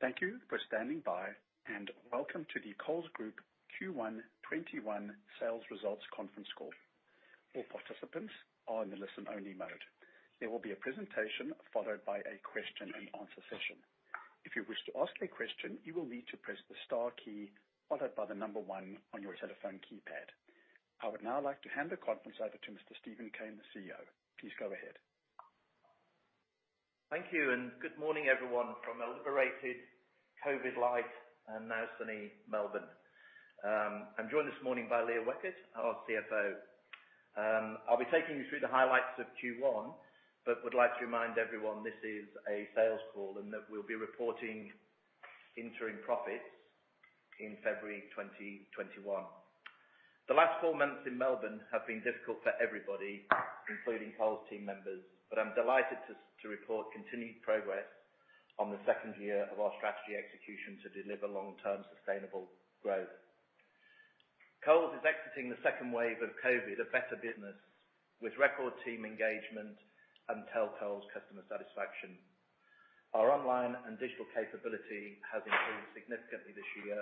Thank you for standing by, and welcome to the Coles Group Q1-21 sales results conference call. All participants are in the listen-only mode. There will be a presentation followed by a question-and-answer session. If you wish to ask a question, you will need to press the star key followed by the number one on your telephone keypad. I would now like to hand the conference over to Mr. Steven Cain, the CEO. Please go ahead. Thank you, and good morning, everyone, from a liberated COVID light and now sunny Melbourne. I'm joined this morning by Leah Weckert, our CFO. I'll be taking you through the highlights of Q1, but would like to remind everyone this is a sales call and that we'll be reporting interim profits in February 2021. The last four months in Melbourne have been difficult for everybody, including Coles team members, but I'm delighted to report continued progress on the second year of our strategy execution to deliver long-term sustainable growth. Coles is exiting the second wave of COVID, a better business, with record team engagement and Tell Coles customer satisfaction. Our online and digital capability has improved significantly this year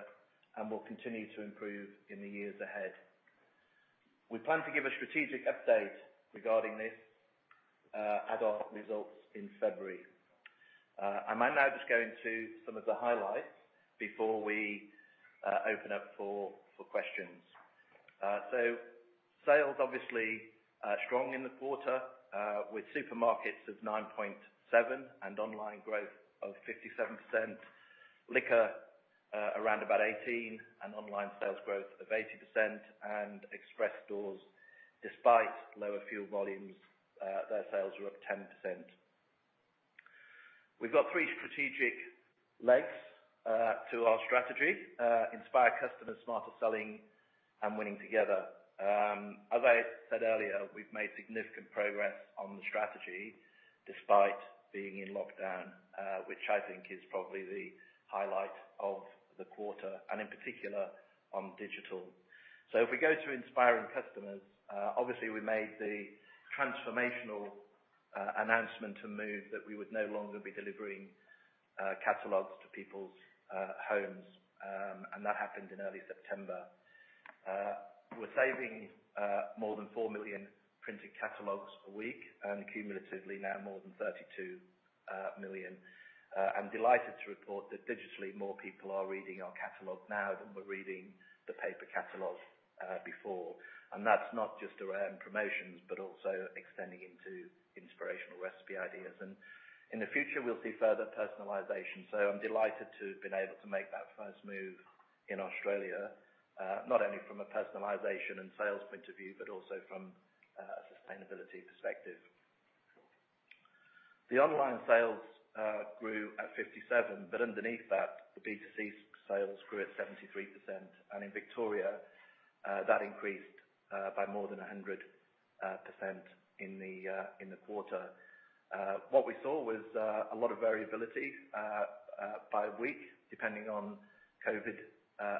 and will continue to improve in the years ahead. We plan to give a strategic update regarding this at our results in February. I'm now just going to some of the highlights before we open up for questions. So sales, obviously, strong in the quarter with supermarkets of 9.7% and online growth of 57%, liquor around about 18%, and online sales growth of 80%, and express stores despite lower fuel volumes, their sales were up 10%. We've got three strategic legs to our strategy: Inspire Customers, Smarter Selling, and Winning Together. As I said earlier, we've made significant progress on the strategy despite being in lockdown, which I think is probably the highlight of the quarter, and in particular on digital. So if we go to inspiring customers, obviously, we made the transformational announcement to move that we would no longer be delivering catalogs to people's homes, and that happened in early September. We're saving more than four million printed catalogs a week and cumulatively now more than 32 million. I'm delighted to report that digitally, more people are reading our catalog now than we're reading the paper catalog before, and that's not just around promotions, but also extending into inspirational recipe ideas, and in the future, we'll see further personalization, so I'm delighted to have been able to make that first move in Australia, not only from a personalization and sales point of view, but also from a sustainability perspective. The online sales grew at 57%, but underneath that, the B2C sales grew at 73%, and in Victoria, that increased by more than 100% in the quarter. What we saw was a lot of variability by week, depending on COVID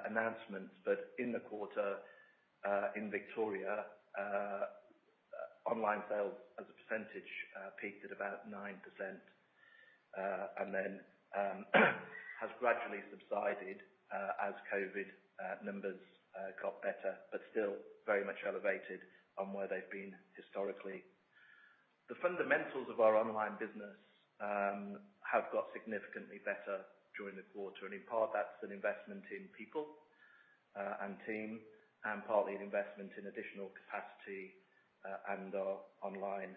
announcements, but in the quarter in Victoria, online sales as a percentage peaked at about 9% and then has gradually subsided as COVID numbers got better, but still very much elevated on where they've been historically. The fundamentals of our online business have got significantly better during the quarter, and in part, that's an investment in people and team, and partly an investment in additional capacity and online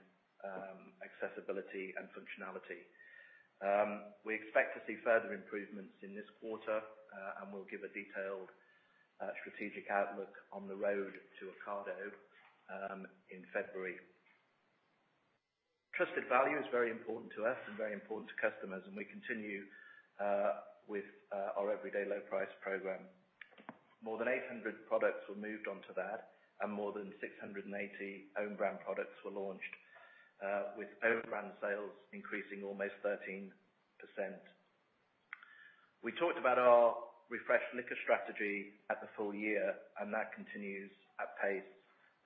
accessibility and functionality. We expect to see further improvements in this quarter, and we'll give a detailed strategic outlook on the road to Ocado in February. Trusted value is very important to us and very important to customers, and we continue with our everyday low-price program. More than 800 products were moved on to that, and more than 680 owned brand products were launched, with owned brand sales increasing almost 13%. We talked about our refreshed liquor strategy at the full year, and that continues at pace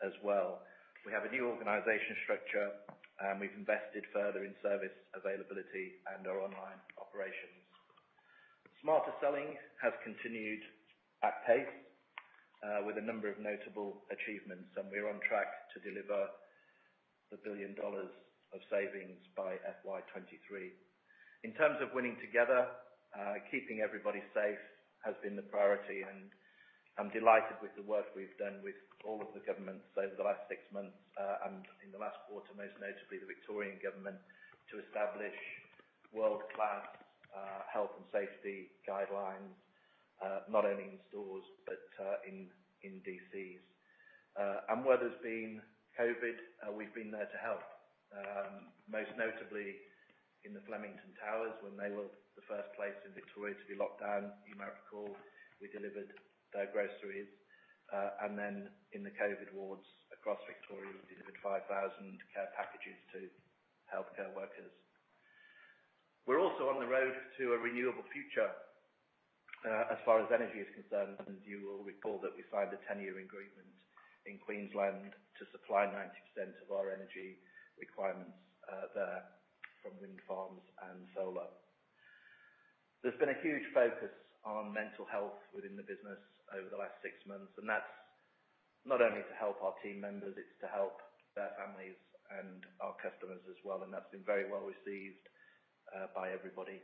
as well. We have a new organization structure, and we've invested further in service availability and our online operations. Smarter Selling has continued at pace with a number of notable achievements, and we're on track to deliver 1 billion dollars of savings by FY23. In terms of Winning Together, keeping everybody safe has been the priority, and I'm delighted with the work we've done with all of the governments over the last six months and in the last quarter, most notably the Victorian government, to establish world-class health and safety guidelines, not only in stores but in DCs, and where there's been COVID, we've been there to help, most notably in the Flemington Towers when they were the first place in Victoria to be locked down. You might recall we delivered their groceries, and then in the COVID wards across Victoria, we delivered 5,000 care packages to healthcare workers. We're also on the road to a renewable future as far as energy is concerned, and you will recall that we signed a 10-year agreement in Queensland to supply 90% of our energy requirements there from wind farms and solar. There's been a huge focus on mental health within the business over the last six months, and that's not only to help our team members, it's to help their families and our customers as well, and that's been very well received by everybody,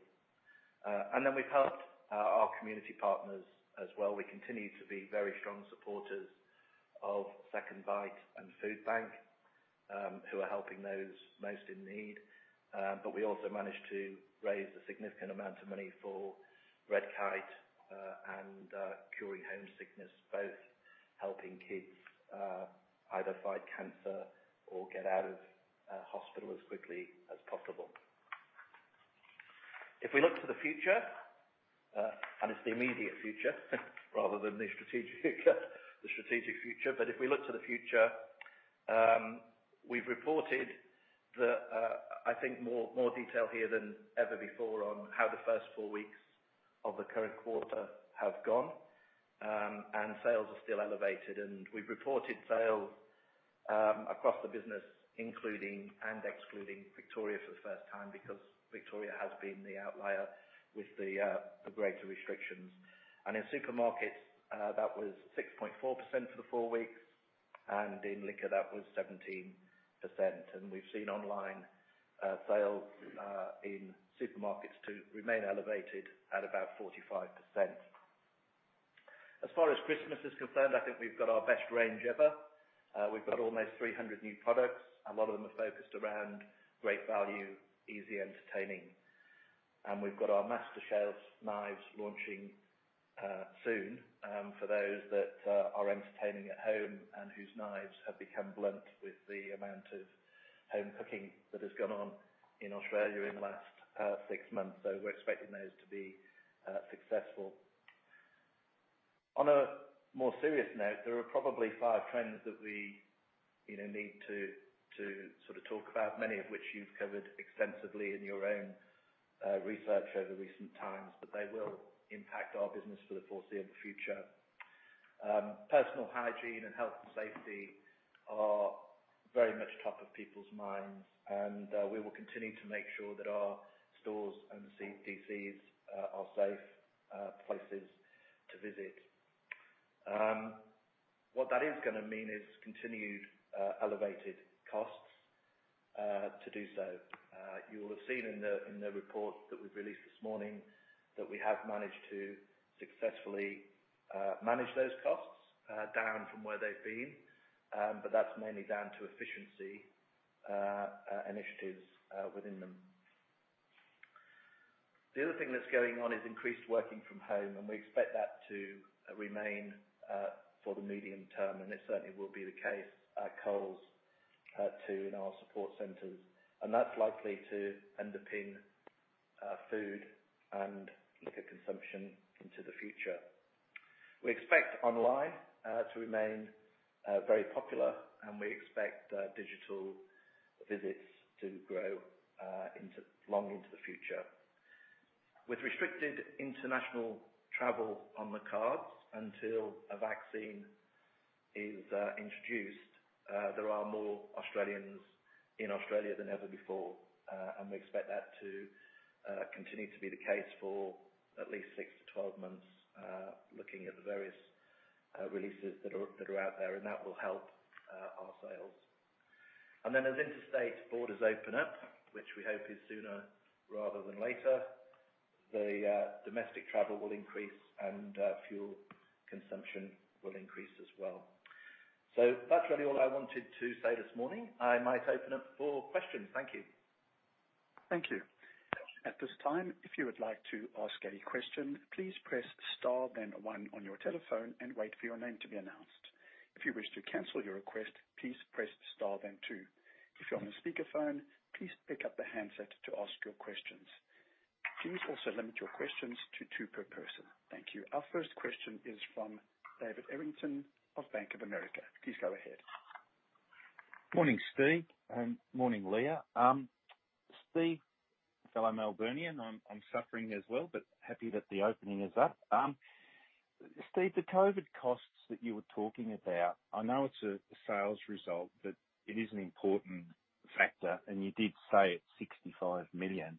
and then we've helped our community partners as well. We continue to be very strong supporters of SecondBite and Foodbank, who are helping those most in need, but we also managed to raise a significant amount of money for Redkite and Curing Homesickness, both helping kids either fight cancer or get out of hospital as quickly as possible. If we look to the future, and it's the immediate future rather than the strategic future, but if we look to the future, we've reported that I think more detail here than ever before on how the first four weeks of the current quarter have gone, and sales are still elevated. And we've reported sales across the business, including and excluding Victoria for the first time because Victoria has been the outlier with the greater restrictions. And in supermarkets, that was 6.4% for the four weeks, and in liquor, that was 17%. And we've seen online sales in supermarkets to remain elevated at about 45%. As far as Christmas is concerned, I think we've got our best range ever. We've got almost 300 new products. A lot of them are focused around great value, easy entertaining. We've got our MasterChef knives launching soon for those that are entertaining at home and whose knives have become blunt with the amount of home cooking that has gone on in Australia in the last six months. So we're expecting those to be successful. On a more serious note, there are probably five trends that we need to sort of talk about, many of which you've covered extensively in your own research over recent times, but they will impact our business for the foreseeable future. Personal hygiene and health and safety are very much top of people's minds, and we will continue to make sure that our stores and DCs are safe places to visit. What that is going to mean is continued elevated costs to do so. You will have seen in the report that we've released this morning that we have managed to successfully manage those costs down from where they've been, but that's mainly down to efficiency initiatives within them. The other thing that's going on is increased working from home, and we expect that to remain for the medium term, and it certainly will be the case, at Coles too, in our support centers, and that's likely to underpin food and liquor consumption into the future. We expect online to remain very popular, and we expect digital visits to grow long into the future. With restricted international travel on the cards until a vaccine is introduced, there are more Australians in Australia than ever before, and we expect that to continue to be the case for at least six to 12 months, looking at the various releases that are out there, and that will help our sales. And then as interstate borders open up, which we hope is sooner rather than later, the domestic travel will increase and fuel consumption will increase as well. So that's really all I wanted to say this morning. I might open up for questions. Thank you. Thank you. At this time, if you would like to ask a question, please press star then one on your telephone and wait for your name to be announced. If you wish to cancel your request, please press star then two. If you're on a speakerphone, please pick up the handset to ask your questions. Please also limit your questions to two per person. Thank you. Our first question is from David Errington of Bank of America. Please go ahead. Morning, Steve. Morning, Leah. Steve, fellow Melbournian, I'm suffering as well, but happy that the opening is up. Steve, the COVID costs that you were talking about, I know it's a sales result, but it is an important factor, and you did say it's 65 million.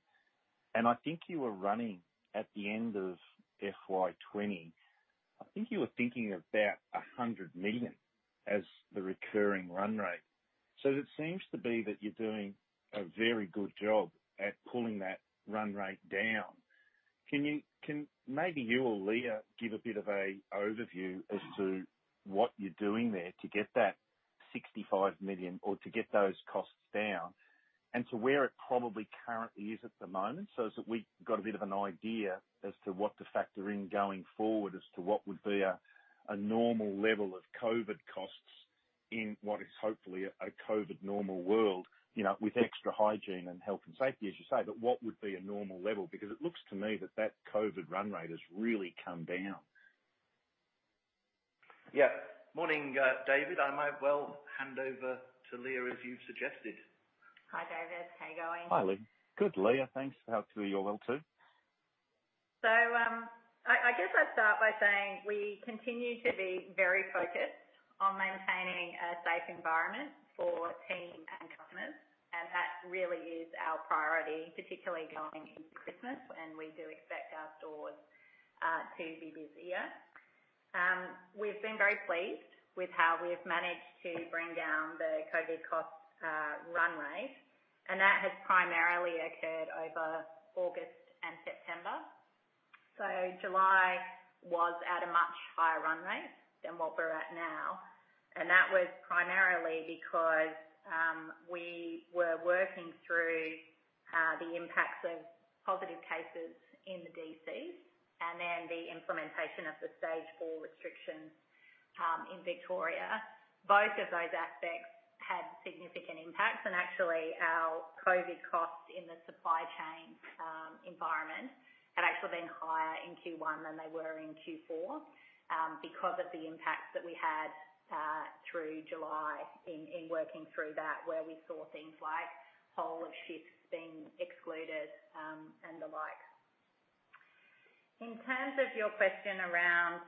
I think you were running at the end of FY20. I think you were thinking about 100 million as the recurring run rate. So it seems to be that you're doing a very good job at pulling that run rate down. Can maybe you or Leah give a bit of an overview as to what you're doing there to get that 65 million or to get those costs down and to where it probably currently is at the moment? So we've got a bit of an idea as to what to factor in going forward as to what would be a normal level of COVID costs in what is hopefully a COVID normal world with extra hygiene and health and safety, as you say, but what would be a normal level? Because it looks to me that that COVID run rate has really come down. Yeah. Morning, David. I might well hand over to Leah, as you've suggested. Hi, David. How you going? Hi, Leah. Good, Leah. Thanks. Hope you're well too. So I guess I'd start by saying we continue to be very focused on maintaining a safe environment for teams and customers, and that really is our priority, particularly going into Christmas when we do expect our stores to be busier. We've been very pleased with how we've managed to bring down the COVID cost run rate, and that has primarily occurred over August and September. So July was at a much higher run rate than what we're at now, and that was primarily because we were working through the impacts of positive cases in the DCs and then the implementation of the stage four restrictions in Victoria. Both of those aspects had significant impacts, and actually, our COVID costs in the supply chain environment had actually been higher in Q1 than they were in Q4 because of the impacts that we had through July in working through that, where we saw things like whole-of-shifts being excluded and the like. In terms of your question around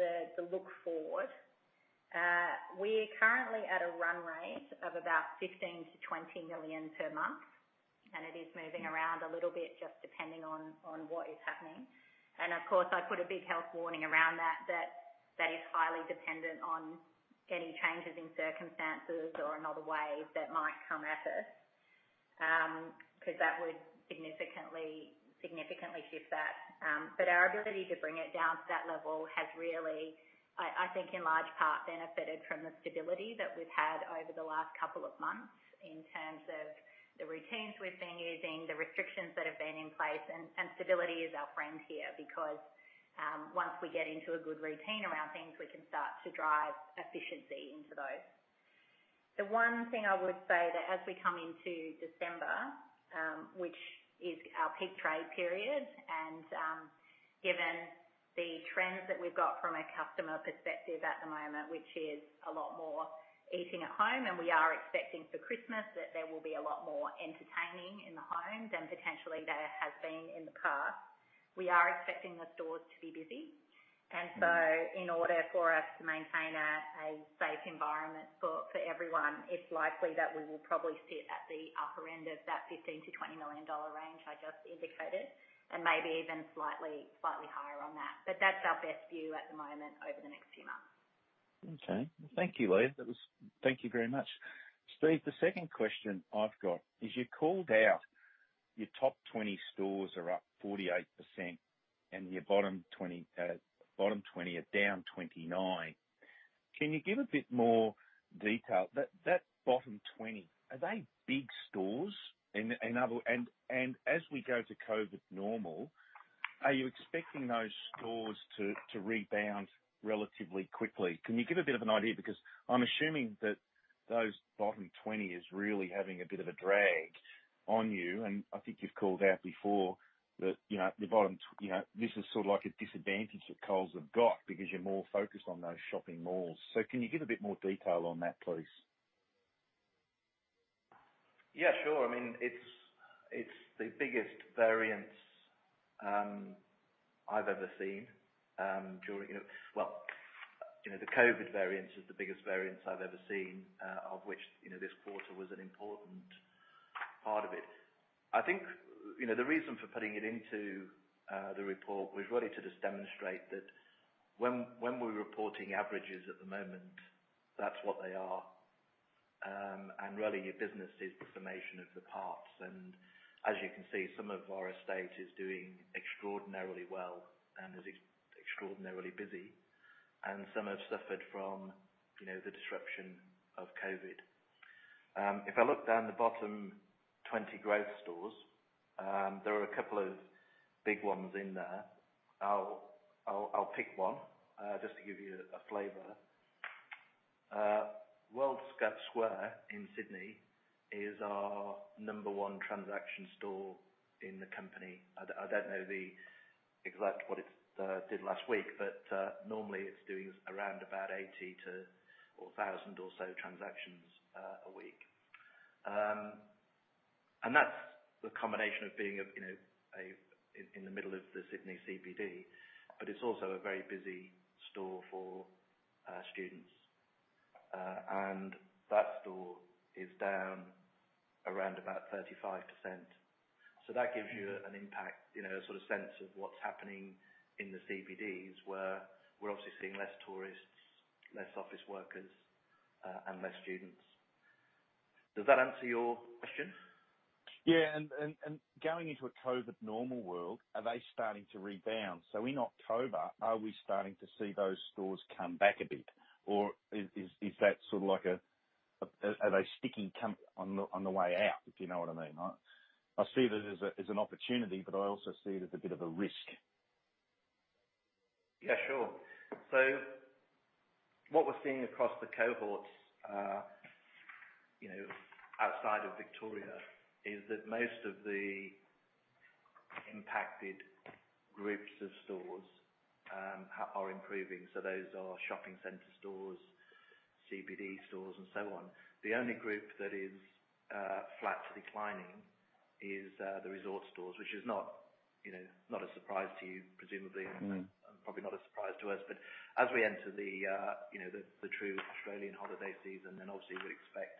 the look forward, we're currently at a run rate of about 15-20 million per month, and it is moving around a little bit just depending on what is happening. And of course, I put a big health warning around that, that that is highly dependent on any changes in circumstances or in other ways that might come at us because that would significantly shift that. Our ability to bring it down to that level has really, I think, in large part benefited from the stability that we've had over the last couple of months in terms of the routines we've been using, the restrictions that have been in place. Stability is our friend here because once we get into a good routine around things, we can start to drive efficiency into those. The one thing I would say that as we come into December, which is our peak trade period, and given the trends that we've got from a customer perspective at the moment, which is a lot more eating at home, and we are expecting for Christmas that there will be a lot more entertaining in the home than potentially there has been in the past, we are expecting the stores to be busy. And so in order for us to maintain a safe environment for everyone, it's likely that we will probably sit at the upper end of that 15 million-20 million dollar range I just indicated, and maybe even slightly higher on that. But that's our best view at the moment over the next few months. Okay. Thank you, Leah. Thank you very much. Steve, the second question I've got is you called out your top 20 stores are up 48% and your bottom 20 are down 29%. Can you give a bit more detail? That bottom 20, are they big stores? And as we go to COVID normal, are you expecting those stores to rebound relatively quickly? Can you give a bit of an idea? Because I'm assuming that those bottom 20 is really having a bit of a drag on you, and I think you've called out before that the bottom this is sort of like a disadvantage that Coles have got because you're more focused on those shopping malls. So can you give a bit more detail on that, please? Yeah, sure. I mean, it's the biggest variance I've ever seen during the COVID, of which this quarter was an important part of it. I think the reason for putting it into the report was really to just demonstrate that when we're reporting averages at the moment, that's what they are, and really your business is the summation of the parts. As you can see, some of our estate is doing extraordinarily well and is extraordinarily busy, and some have suffered from the disruption of COVID. If I look down the bottom 20 growth stores, there are a couple of big ones in there. I'll pick one just to give you a flavor. World Square in Sydney is our number one transaction store in the company. I don't know exactly what it did last week, but normally it's doing around about 80,000 or 1,000 or so transactions a week, and that's the combination of being in the middle of the Sydney CBD, but it's also a very busy store for students, and that store is down around about 35%. So that gives you an impact, a sort of sense of what's happening in the CBDs where we're obviously seeing less tourists, less office workers, and less students. Does that answer your question? Yeah. And going into a COVID normal world, are they starting to rebound? So in October, are we starting to see those stores come back a bit, or is that sort of like are they sticking on the way out, if you know what I mean? I see it as an opportunity, but I also see it as a bit of a risk. Yeah, sure. So what we're seeing across the cohorts outside of Victoria is that most of the impacted groups of stores are improving. So those are shopping center stores, CBD stores, and so on. The only group that is flat to declining is the resort stores, which is not a surprise to you, presumably, and probably not a surprise to us. But as we enter the true Australian holiday season, then obviously we expect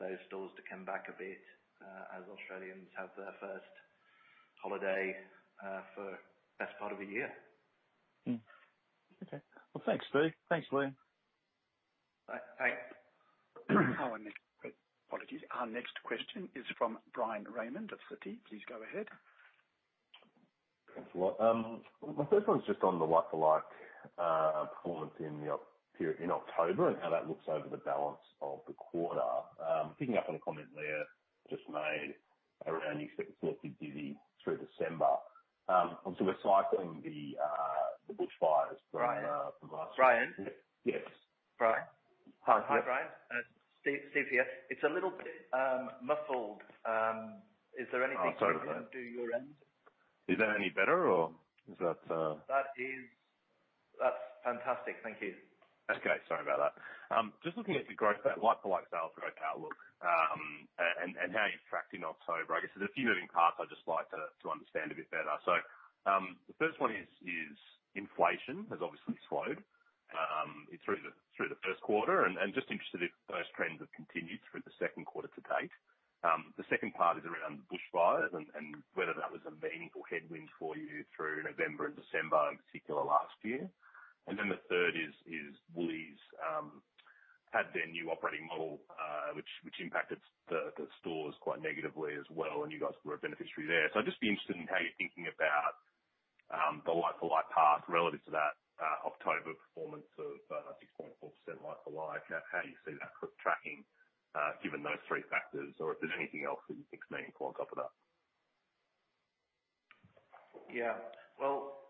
those stores to come back a bit as Australians have their first holiday for the best part of a year. Okay, well, thanks, Steve. Thanks, Leah. Thanks. Apologies. Our next question is from Bryan Raymond of Citi. Please go ahead. Thanks a lot. My first one is just on the like-for-like performance in October and how that looks over the balance of the quarter. Picking up on a comment Leah just made around, you said it's not too busy through December. Obviously, we're cycling the bushfires from last year. Brian. Brian? Yes. Brian? Hi, Brian. Steve here. It's a little bit muffled. Is there anything you can do your end? Is that any better, or is that? That's fantastic. Thank you. Okay. Sorry about that. Just looking at the growth, that like-for-like sales growth outlook and how you've tracked in October, I guess there's a few moving parts I'd just like to understand a bit better. So the first one is inflation has obviously slowed through the first quarter, and just interested if those trends have continued through the second quarter to date. The second part is around the bushfires and whether that was a meaningful headwind for you through November and December, in particular last year. And then the third is Woolies had their new operating model, which impacted the stores quite negatively as well, and you guys were a beneficiary there. So I'd just be interested in how you're thinking about the like-for-like path relative to that October performance of 6.4% like-for-like. How do you see that tracking given those three factors, or if there's anything else that you think's meaningful on top of that? Yeah. Well,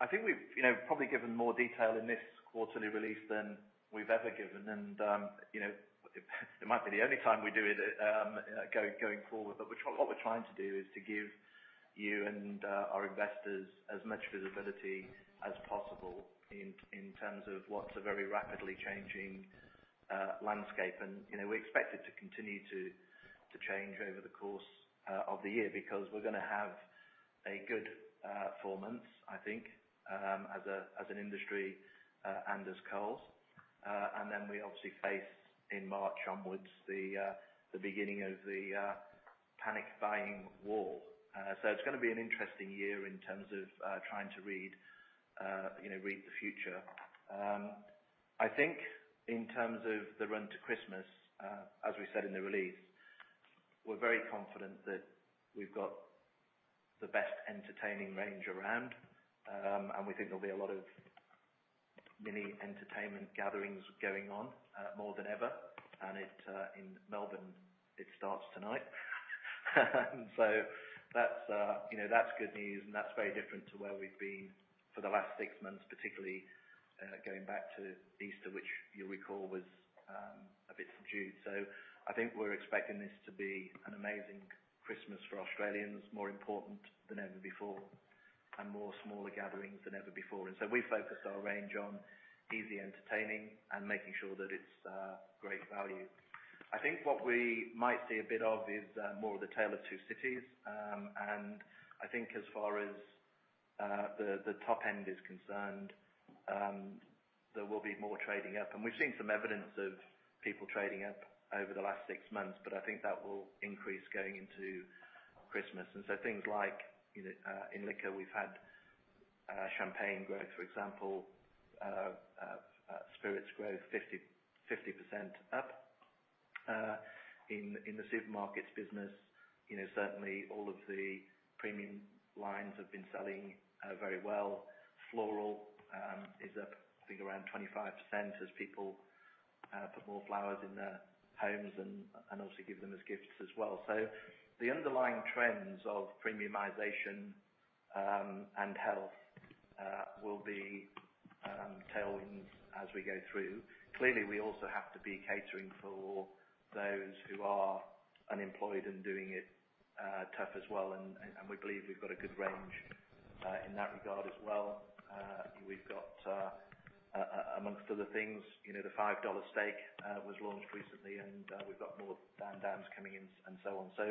I think we've probably given more detail in this quarterly release than we've ever given, and it might be the only time we do it going forward. But what we're trying to do is to give you and our investors as much visibility as possible in terms of what's a very rapidly changing landscape. And we expect it to continue to change over the course of the year because we're going to have a good performance, I think, as an industry and as Coles. And then we obviously face in March onwards the beginning of the panic buying war. So it's going to be an interesting year in terms of trying to read the future. I think in terms of the run to Christmas, as we said in the release, we're very confident that we've got the best entertaining range around, and we think there'll be a lot of mini entertainment gatherings going on more than ever. And in Melbourne, it starts tonight. And so that's good news, and that's very different to where we've been for the last six months, particularly going back to Easter, which you'll recall was a bit subdued. So I think we're expecting this to be an amazing Christmas for Australians, more important than ever before, and more smaller gatherings than ever before. And so we've focused our range on easy entertaining and making sure that it's great value. I think what we might see a bit of is more of the tale of two cities. And I think as far as the top end is concerned, there will be more trading up. And we've seen some evidence of people trading up over the last six months, but I think that will increase going into Christmas. And so things like in liquor, we've had champagne growth, for example, spirits growth 50% up. In the supermarkets business, certainly all of the premium lines have been selling very well. Floral is up, I think, around 25% as people put more flowers in their homes and obviously give them as gifts as well. So the underlying trends of premiumization and health will be tailwinds as we go through. Clearly, we also have to be catering for those who are unemployed and doing it tough as well, and we believe we've got a good range in that regard as well. We've got, amongst other things, the 5 dollar steak was launched recently, and we've got more Down Downs coming in and so on. So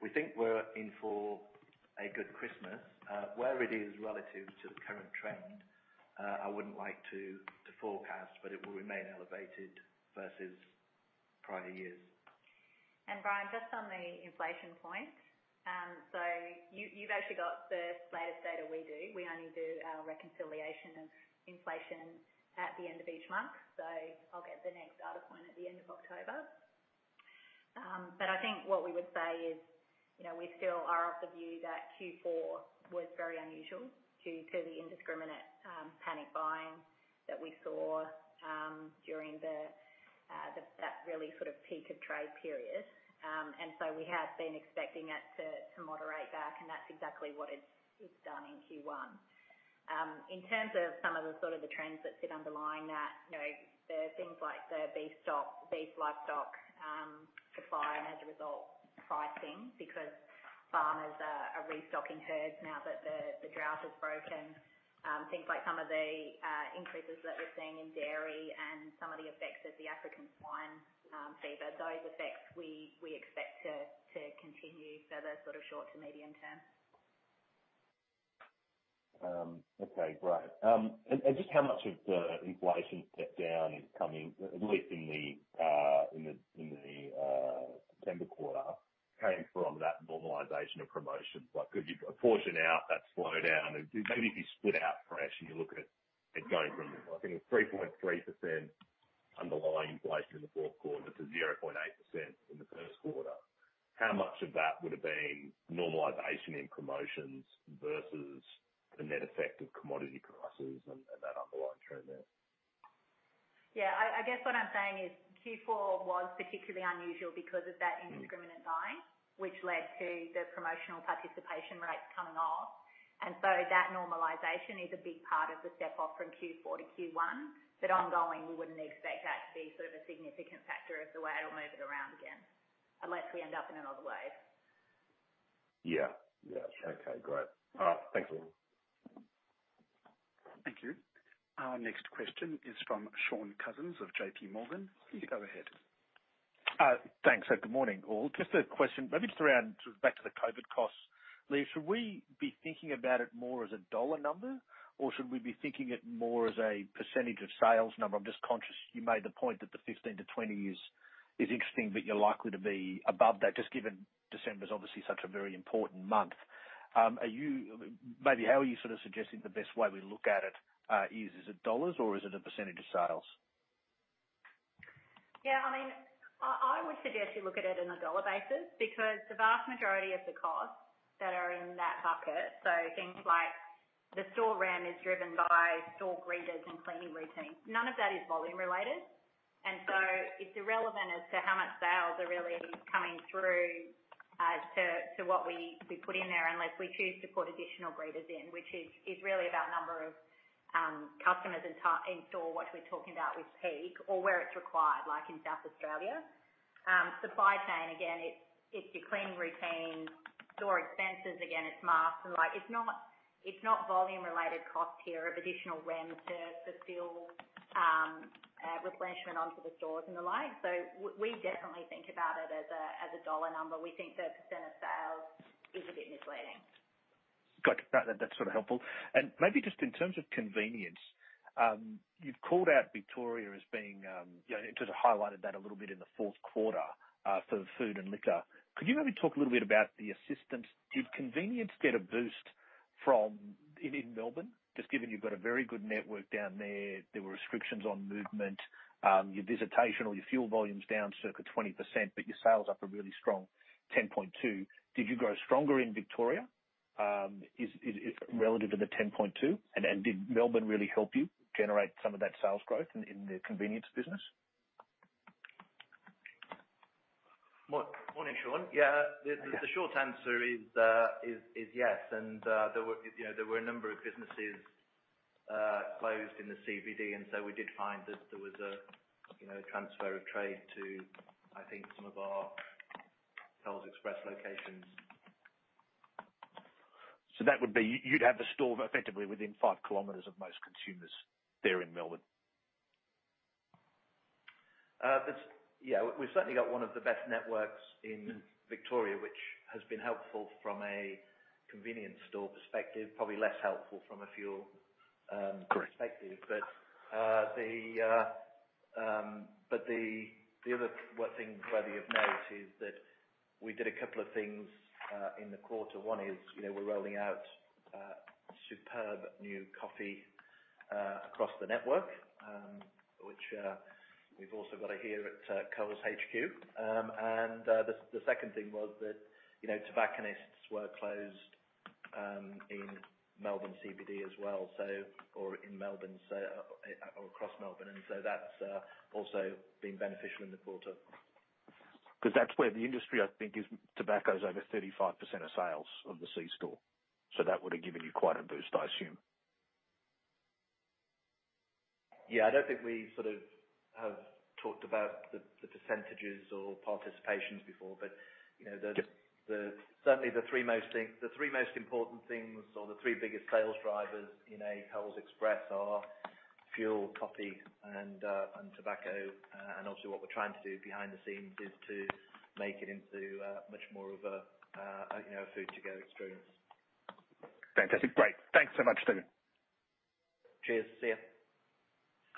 we think we're in for a good Christmas. Where it is relative to the current trend, I wouldn't like to forecast, but it will remain elevated versus prior years. And Brian, just on the inflation point, so you've actually got the latest data we do. We only do our reconciliation of inflation at the end of each month, so I'll get the next data point at the end of October. But I think what we would say is we still are of the view that Q4 was very unusual to the indiscriminate panic buying that we saw during that really sort of peak of trade period. And so we have been expecting it to moderate back, and that's exactly what it's done in Q1. In terms of some of the sort of the trends that sit underlying that, there are things like the beef livestock supply and, as a result, pricing because farmers are restocking herds now that the drought has broken. Things like some of the increases that we're seeing in dairy and some of the effects of the African swine fever, those effects we expect to continue further sort of short to medium term. Okay. Right. And just how much of the inflation step down is coming, at least in the September quarter, came from that normalization of promotions? A portion out, that slowdown, and maybe if you split out fresh and you look at going from, I think, 3.3% underlying inflation in the fourth quarter to 0.8% in the first quarter, how much of that would have been normalization in promotions versus the net effect of commodity prices and that underlying trend there? Yeah. I guess what I'm saying is Q4 was particularly unusual because of that indiscriminate buying, which led to the promotional participation rates coming off. And so that normalization is a big part of the step off from Q4 to Q1. But ongoing, we wouldn't expect that to be sort of a significant factor as to why it'll move it around again, unless we end up in another wave. Yeah. Yeah. Okay. Great. All right. Thanks, Leah. Thank you. Our next question is from Shaun Cousins of J.P. Morgan. Please go ahead. Thanks. Good morning, all. Just a question, maybe just around sort of back to the COVID costs. Leah, should we be thinking about it more as a dollar number, or should we be thinking it more as a percentage of sales number? I'm just conscious you made the point that the 15%-20% is interesting, but you're likely to be above that just given December's obviously such a very important month. Maybe how are you sort of suggesting the best way we look at it is, is it dollars, or is it a percentage of sales? Yeah. I mean, I would suggest you look at it on a dollar basis because the vast majority of the costs that are in that bucket, so things like the store rem is driven by store greeters and cleaning routines. None of that is volume related. And so it's irrelevant as to how much sales are really coming through to what we put in there unless we choose to put additional greeters in, which is really about number of customers in store, what we're talking about with peak or where it's required, like in South Australia. Supply chain, again, it's your cleaning routines. Store expenses, again, it's masks. It's not volume related cost here of additional rem to fulfill replenishment onto the stores and the like. So we definitely think about it as a dollar number. We think the % of sales is a bit misleading. Good. That's sort of helpful. And maybe just in terms of convenience, you've called out Victoria as being you sort of highlighted that a little bit in the fourth quarter for food and liquor. Could you maybe talk a little bit about the assistance? Did convenience get a boost in Melbourne? Just given you've got a very good network down there, there were restrictions on movement, your visitation or your fuel volumes down circa 20%, but your sales up a really strong 10.2%. Did you grow stronger in Victoria relative to the 10.2%? And did Melbourne really help you generate some of that sales growth in the convenience business? Morning, Shaun. Yeah. The short answer is yes. And there were a number of businesses closed in the CBD, and so we did find that there was a transfer of trade to, I think, some of our Coles Express locations. So that would be you'd have the store effectively within five kilometers of most consumers there in Melbourne? Yeah. We've certainly got one of the best networks in Victoria, which has been helpful from a convenience store perspective, probably less helpful from a fuel perspective. But the other thing worthy of note is that we did a couple of things in the quarter. One is we're rolling out superb new coffee across the network, which we've also got here at Coles HQ. And the second thing was that tobacconists were closed in Melbourne CBD as well, or in Melbourne or across Melbourne. And so that's also been beneficial in the quarter. Because that's where the industry, I think, is tobacco's over 35% of sales of the C-store. So that would have given you quite a boost, I assume. Yeah. I don't think we sort of have talked about the percentages or participations before, but certainly the three most important things or the three biggest sales drivers in a Coles Express are fuel, coffee, and tobacco. And obviously, what we're trying to do behind the scenes is to make it into much more of a food-to-go experience. Fantastic. Great. Thanks so much, Steven. Cheers. See you.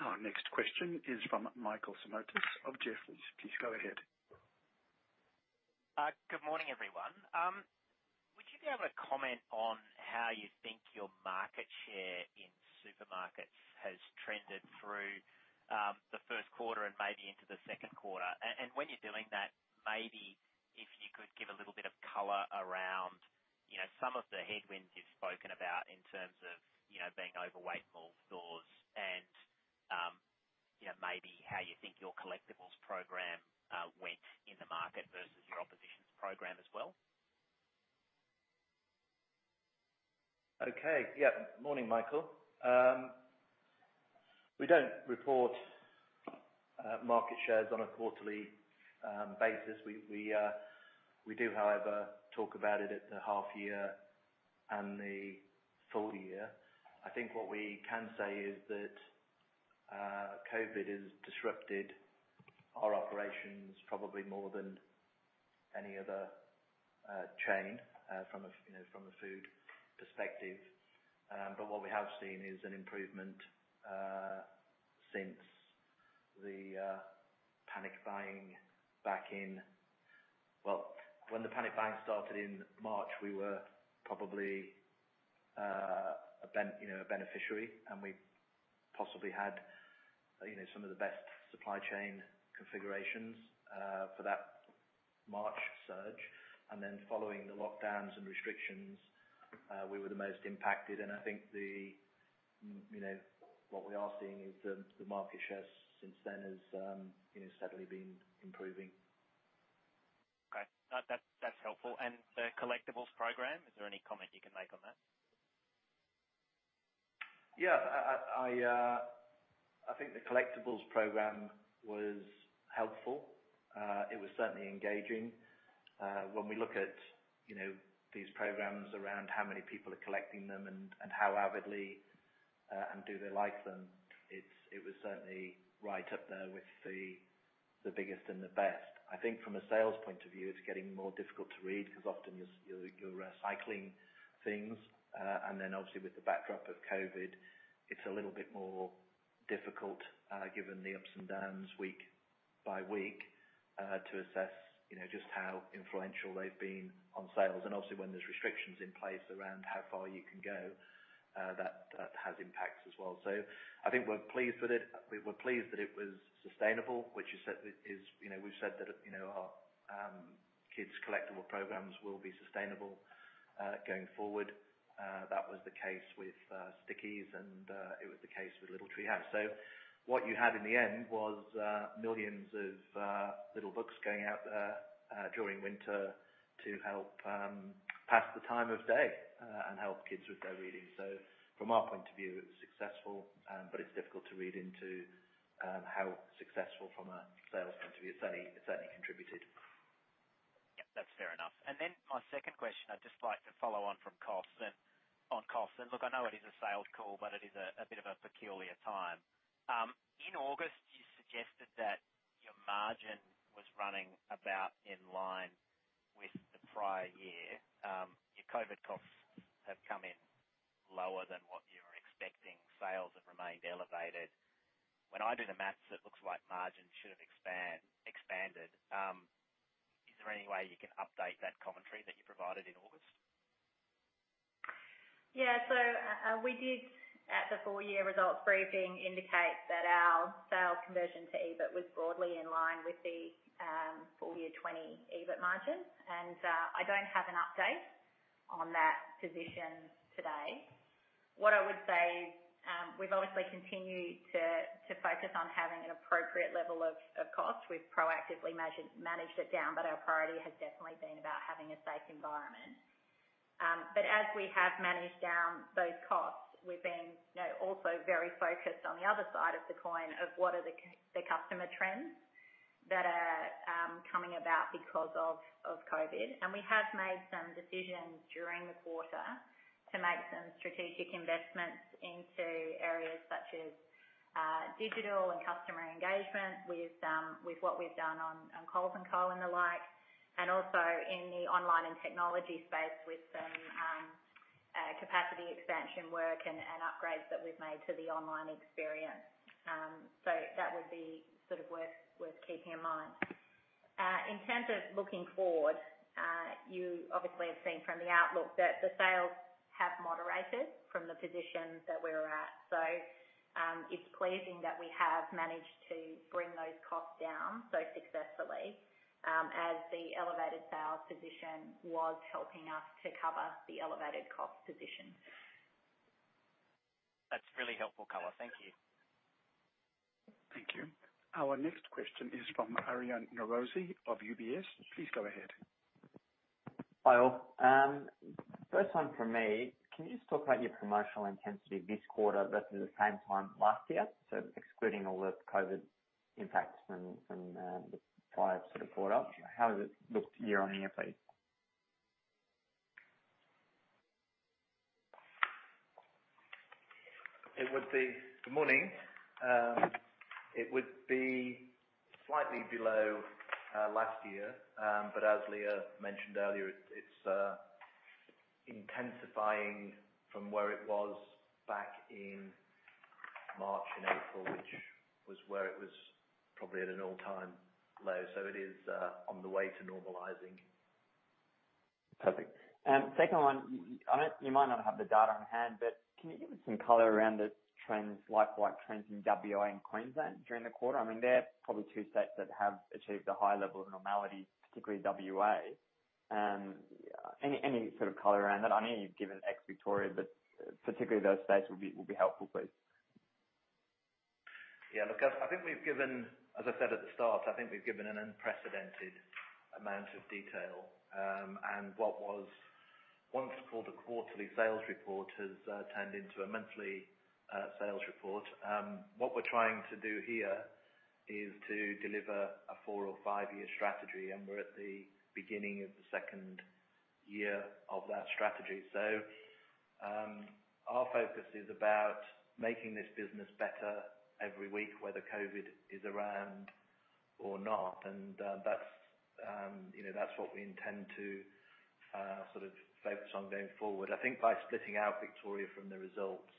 Our next question is from Michael Simotas of Jefferies. Please go ahead. Good morning, everyone. Would you be able to comment on how you think your market share in supermarkets has trended through the first quarter and maybe into the second quarter? And when you're doing that, maybe if you could give a little bit of color around some of the headwinds you've spoken about in terms of being overweight more stores and maybe how you think your collectibles program went in the market versus your opposition's program as well. Okay. Yeah. Morning, Michael. We don't report market shares on a quarterly basis. We do, however, talk about it at the half-year and the full year. I think what we can say is that COVID has disrupted our operations probably more than any other chain from a food perspective. But what we have seen is an improvement since the panic buying back in well, when the panic buying started in March, we were probably a beneficiary, and we possibly had some of the best supply chain configurations for that March surge. And then following the lockdowns and restrictions, we were the most impacted. And I think what we are seeing is the market share since then has steadily been improving. Okay. That's helpful. And the collectibles program, is there any comment you can make on that? Yeah. I think the collectibles program was helpful. It was certainly engaging. When we look at these programs around how many people are collecting them and how avidly and do they like them, it was certainly right up there with the biggest and the best. I think from a sales point of view, it's getting more difficult to read because often you're recycling things, and then obviously, with the backdrop of COVID, it's a little bit more difficult given the ups and downs week by week to assess just how influential they've been on sales, and obviously, when there's restrictions in place around how far you can go, that has impacts as well, so I think we're pleased with it. We're pleased that it was sustainable, which is, we've said that our kids' collectible programs will be sustainable going forward. That was the case with Stikeez, and it was the case with Little Treehouse. So what you had in the end was millions of little books going out during winter to help pass the time of day and help kids with their reading. So from our point of view, it was successful, but it's difficult to read into how successful from a sales point of view. It certainly contributed. Yeah. That's fair enough. And then my second question, I'd just like to follow on from costs. And on costs, and look, I know it is a sales call, but it is a bit of a peculiar time. In August, you suggested that your margin was running about in line with the prior year. Your COVID costs have come in lower than what you were expecting. Sales have remained elevated. When I do the math, it looks like margin should have expanded. Is there any way you can update that commentary that you provided in August? Yeah. So we did, at the full-year results briefing, indicate that our sales conversion to EBIT was broadly in line with the full year 2020 EBIT margin. And I don't have an update on that position today. What I would say is we've obviously continued to focus on having an appropriate level of cost. We've proactively managed it down, but our priority has definitely been about having a safe environment. But as we have managed down those costs, we've been also very focused on the other side of the coin of what are the customer trends that are coming about because of COVID. And we have made some decisions during the quarter to make some strategic investments into areas such as digital and customer engagement with what we've done on Coles & Co. and the like, and also in the online and technology space with some capacity expansion work and upgrades that we've made to the online experience. So that would be sort of worth keeping in mind. In terms of looking forward, you obviously have seen from the outlook that the sales have moderated from the position that we're at. So it's pleasing that we have managed to bring those costs down so successfully as the elevated sales position was helping us to cover the elevated cost position. That's really helpful, Coles. Thank you. Thank you. Our next question is from Aryan Norozi of UBS. Please go ahead. Hi, all. First one from me. Can you just talk about your promotional intensity this quarter versus the same time last year? So excluding all the COVID impacts from the prior sort of quarter, how has it looked year on year, please? It would be good morning. It would be slightly below last year. But as Leah mentioned earlier, it's intensifying from where it was back in March and April, which was where it was probably at an all-time low. So it is on the way to normalizing. Perfect. Second one, you might not have the data on hand, but can you give us some color around the trends, like white trends in WA and Queensland during the quarter? I mean, they're probably two states that have achieved a high level of normality, particularly WA. Any sort of color around that? I know you've given ex-Victoria, but particularly those states will be helpful, please. Yeah. Look, I think we've given, as I said at the start, I think we've given an unprecedented amount of detail. And what was once called a quarterly sales report has turned into a monthly sales report. What we're trying to do here is to deliver a four- or five-year strategy, and we're at the beginning of the second year of that strategy. So our focus is about making this business better every week, whether COVID-19 is around or not. And that's what we intend to sort of focus on going forward. I think by splitting out Victoria from the results,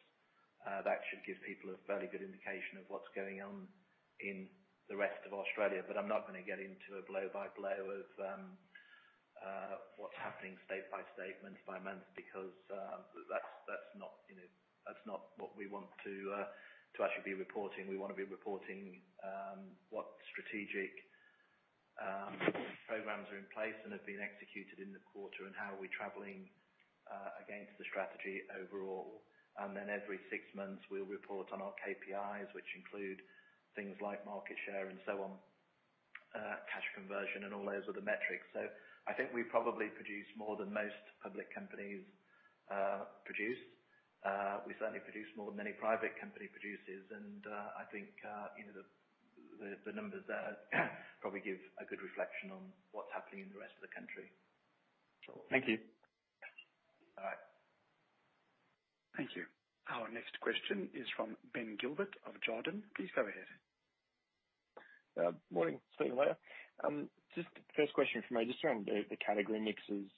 that should give people a fairly good indication of what's going on in the rest of Australia. But I'm not going to get into a blow-by-blow of what's happening state by state month by month because that's not what we want to actually be reporting. We want to be reporting what strategic programs are in place and have been executed in the quarter and how we're traveling against the strategy overall. And then every six months, we'll report on our KPIs, which include things like market share and so on, cash conversion, and all those other metrics. So I think we probably produce more than most public companies produce. We certainly produce more than any private company produces. And I think the numbers there probably give a good reflection on what's happening in the rest of the country. Thank you. All right. Thank you. Our next question is from Ben Gilbert of Jarden. Please go ahead. Morning, Steven, Leah. Just the first question for me, just around the category mixes.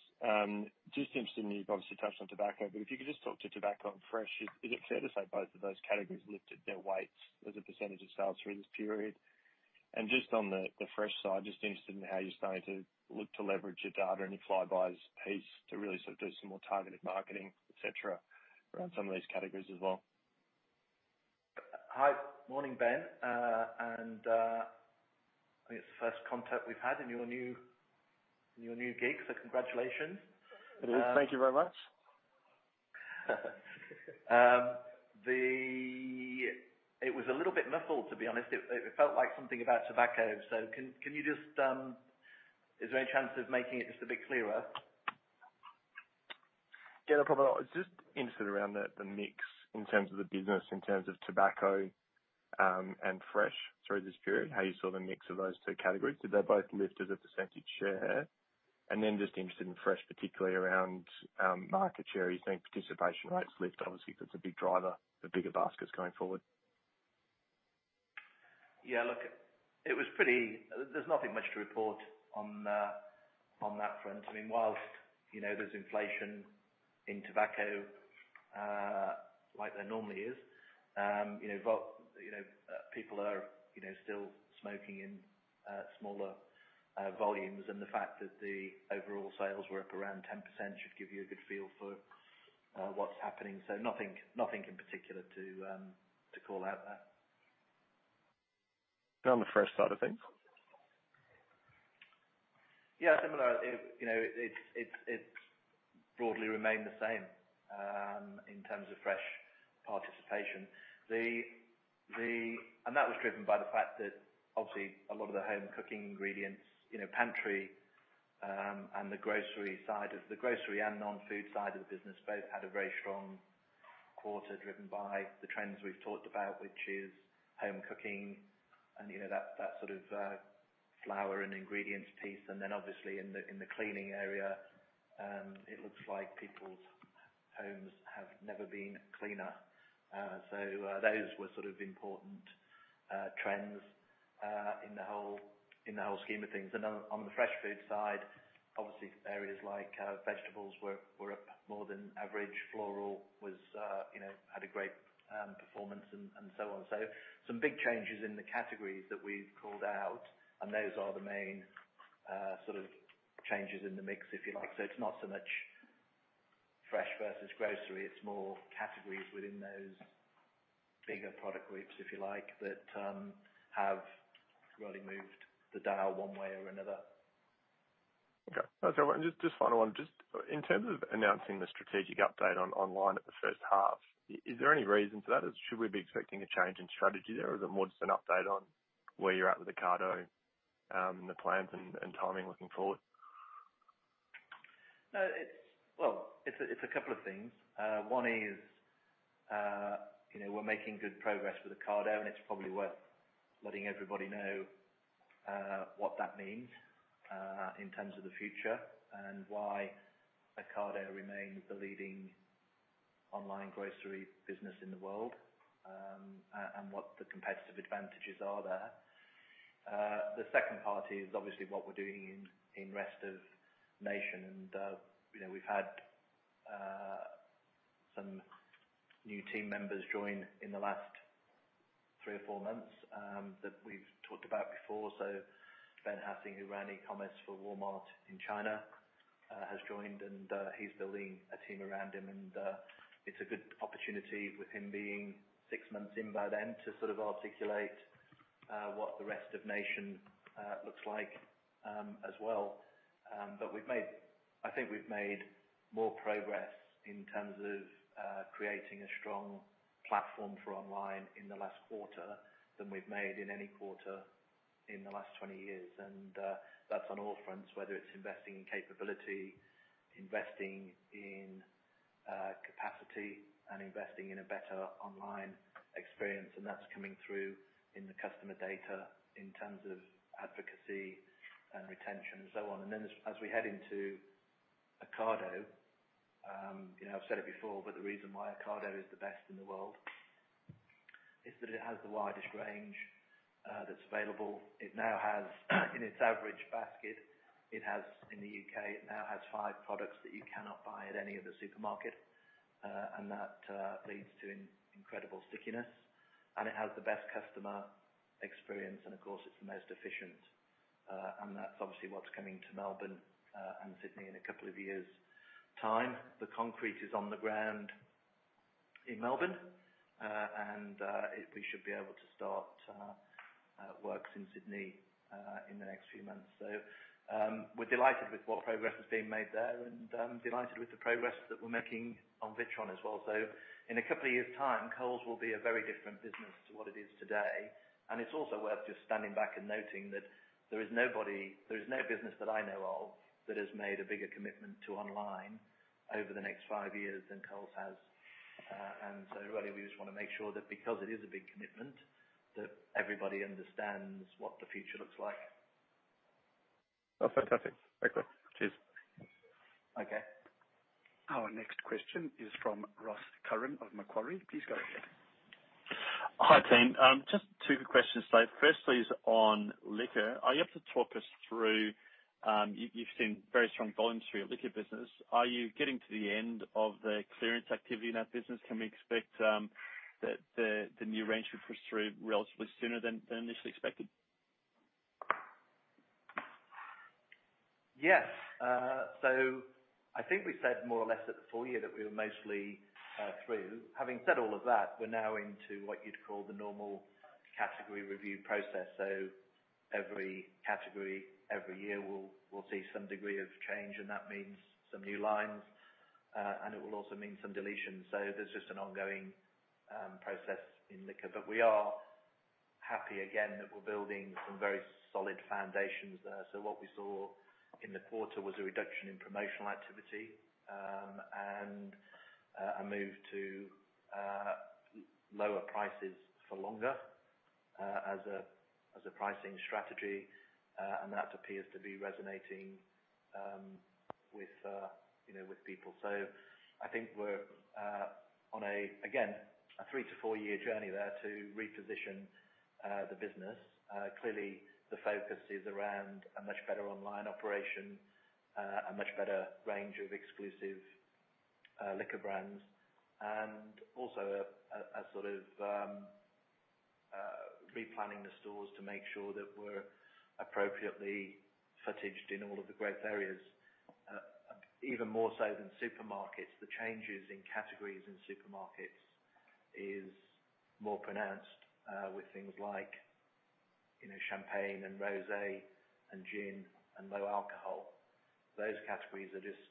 Just interested in you've obviously touched on tobacco, but if you could just talk to tobacco and fresh, is it fair to say both of those categories lifted their weights as a percentage of sales through this period? And just on the fresh side, just interested in how you're starting to look to leverage your data and your Flybuys piece to really sort of do some more targeted marketing, etc., around some of these categories as well. Hi. Morning, Ben. And I think it's the first contact we've had in your new gig, so congratulations. It is. Thank you very much. It was a little bit muffled, to be honest. It felt like something about tobacco, so can you just is there any chance of making it just a bit clearer? Yeah. Just interested around the mix in terms of the business, in terms of tobacco and fresh through this period, how you saw the mix of those two categories. Did they both lift as a percentage share? And then just interested in fresh, particularly around market share. Are you seeing participation rates lift? Obviously, that's a big driver for bigger baskets going forward. Yeah. Look, it was pretty. There's nothing much to report on that front. I mean, while there's inflation in tobacco like there normally is, people are still smoking in smaller volumes. And the fact that the overall sales were up around 10% should give you a good feel for what's happening. So nothing in particular to call out there. On the fresh side of things? Yeah. Similar. It's broadly remained the same in terms of fresh participation. And that was driven by the fact that obviously a lot of the home cooking ingredients, pantry, and the grocery side of the grocery and non-food side of the business both had a very strong quarter driven by the trends we've talked about, which is home cooking and that sort of flour and ingredients piece. And then obviously in the cleaning area, it looks like people's homes have never been cleaner. So those were sort of important trends in the whole scheme of things. And on the fresh food side, obviously areas like vegetables were up more than average. Floral had a great performance and so on. So some big changes in the categories that we've called out, and those are the main sort of changes in the mix, if you like. So it's not so much fresh versus grocery. It's more categories within those bigger product groups, if you like, that have really moved the dial one way or another. Okay. That's all right. And just final one. Just in terms of announcing the strategic update online at the first half, is there any reason for that? Should we be expecting a change in strategy there? Or is it more just an update on where you're at with Ocado and the plans and timing looking forward? It's a couple of things. One is we're making good progress with Ocado, and it's probably worth letting everybody know what that means in terms of the future and why Ocado remains the leading online grocery business in the world and what the competitive advantages are there. The second part is obviously what we're doing in the rest of the nation. We've had some new team members join in the last three or four months that we've talked about before. So Ben Hassing, who ran e-commerce for Walmart in China, has joined, and he's building a team around him. It's a good opportunity with him being six months in by then to sort of articulate what the rest of the nation looks like as well. But I think we've made more progress in terms of creating a strong platform for online in the last quarter than we've made in any quarter in the last 20 years. And that's on all fronts, whether it's investing in capability, investing in capacity, and investing in a better online experience. And that's coming through in the customer data in terms of advocacy and retention and so on. And then as we head into Ocado, I've said it before, but the reason why Ocado is the best in the world is that it has the widest range that's available. It now has, in its average basket, in the U.K., it now has five products that you cannot buy at any other supermarket. And that leads to incredible stickiness. And it has the best customer experience. And of course, it's the most efficient. And that's obviously what's coming to Melbourne and Sydney in a couple of years' time. The concrete is on the ground in Melbourne, and we should be able to start work in Sydney in the next few months. So we're delighted with what progress is being made there and delighted with the progress that we're making on Witron as well. So in a couple of years' time, Coles will be a very different business to what it is today. And it's also worth just standing back and noting that there is no business that I know of that has made a bigger commitment to online over the next five years than Coles has. And so really, we just want to make sure that because it is a big commitment, that everybody understands what the future looks like. That's fantastic. Excellent. Cheers. Okay. Our next question is from Ross Curran of Macquarie. Please go ahead. Hi, Team. Just two quick questions. Firstly, on liquor, are you able to talk us through? You've seen very strong volumes through your liquor business. Are you getting to the end of the clearance activity in that business? Can we expect that the new range to push through relatively sooner than initially expected? Yes. So I think we said more or less at the full year that we were mostly through. Having said all of that, we're now into what you'd call the normal category review process. So every category, every year, we'll see some degree of change, and that means some new lines, and it will also mean some deletions. So there's just an ongoing process in liquor. But we are happy again that we're building some very solid foundations there. So what we saw in the quarter was a reduction in promotional activity and a move to lower prices for longer as a pricing strategy. And that appears to be resonating with people. So I think we're on a, again, a three- to four-year journey there to reposition the business. Clearly, the focus is around a much better online operation, a much better range of exclusive liquor brands, and also a sort of replanning the stores to make sure that we're appropriately footaged in all of the growth areas. Even more so than supermarkets, the changes in categories in supermarkets is more pronounced with things like champagne and rosé and gin and low alcohol. Those categories are just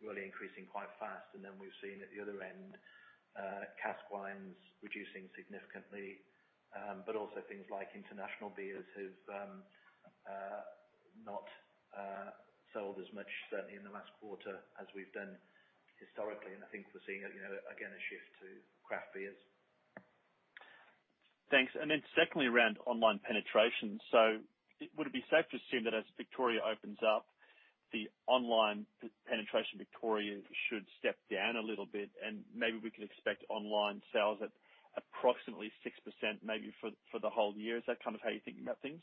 really increasing quite fast. And then we've seen at the other end, cask wines reducing significantly, but also things like international beers have not sold as much, certainly in the last quarter, as we've done historically. And I think we're seeing, again, a shift to craft beers. Thanks. And then secondly, around online penetration. So would it be safe to assume that as Victoria opens up, the online penetration Victoria should step down a little bit? And maybe we can expect online sales at approximately 6% maybe for the whole year. Is that kind of how you're thinking about things?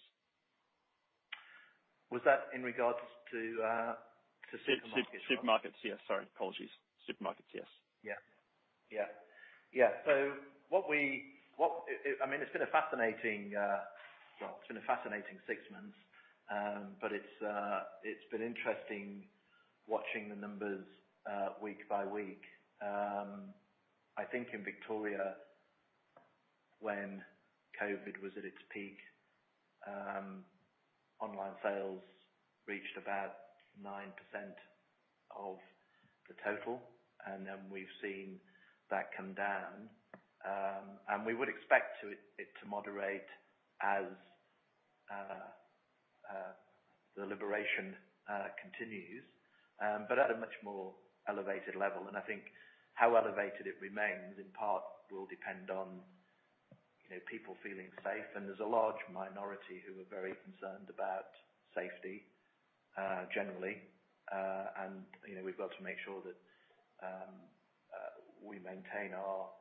Was that in regards to supermarkets? Supermarkets, yes. Sorry. Apologies. Supermarkets, yes. Yeah. Yeah. Yeah. So I mean, it's been a fascinating, well, it's been a fascinating six months, but it's been interesting watching the numbers week by week. I think in Victoria, when COVID was at its peak, online sales reached about 9% of the total. And then we've seen that come down. And we would expect it to moderate as the liberation continues, but at a much more elevated level. And I think how elevated it remains in part will depend on people feeling safe. And there's a large minority who are very concerned about safety generally. And we've got to make sure that we maintain our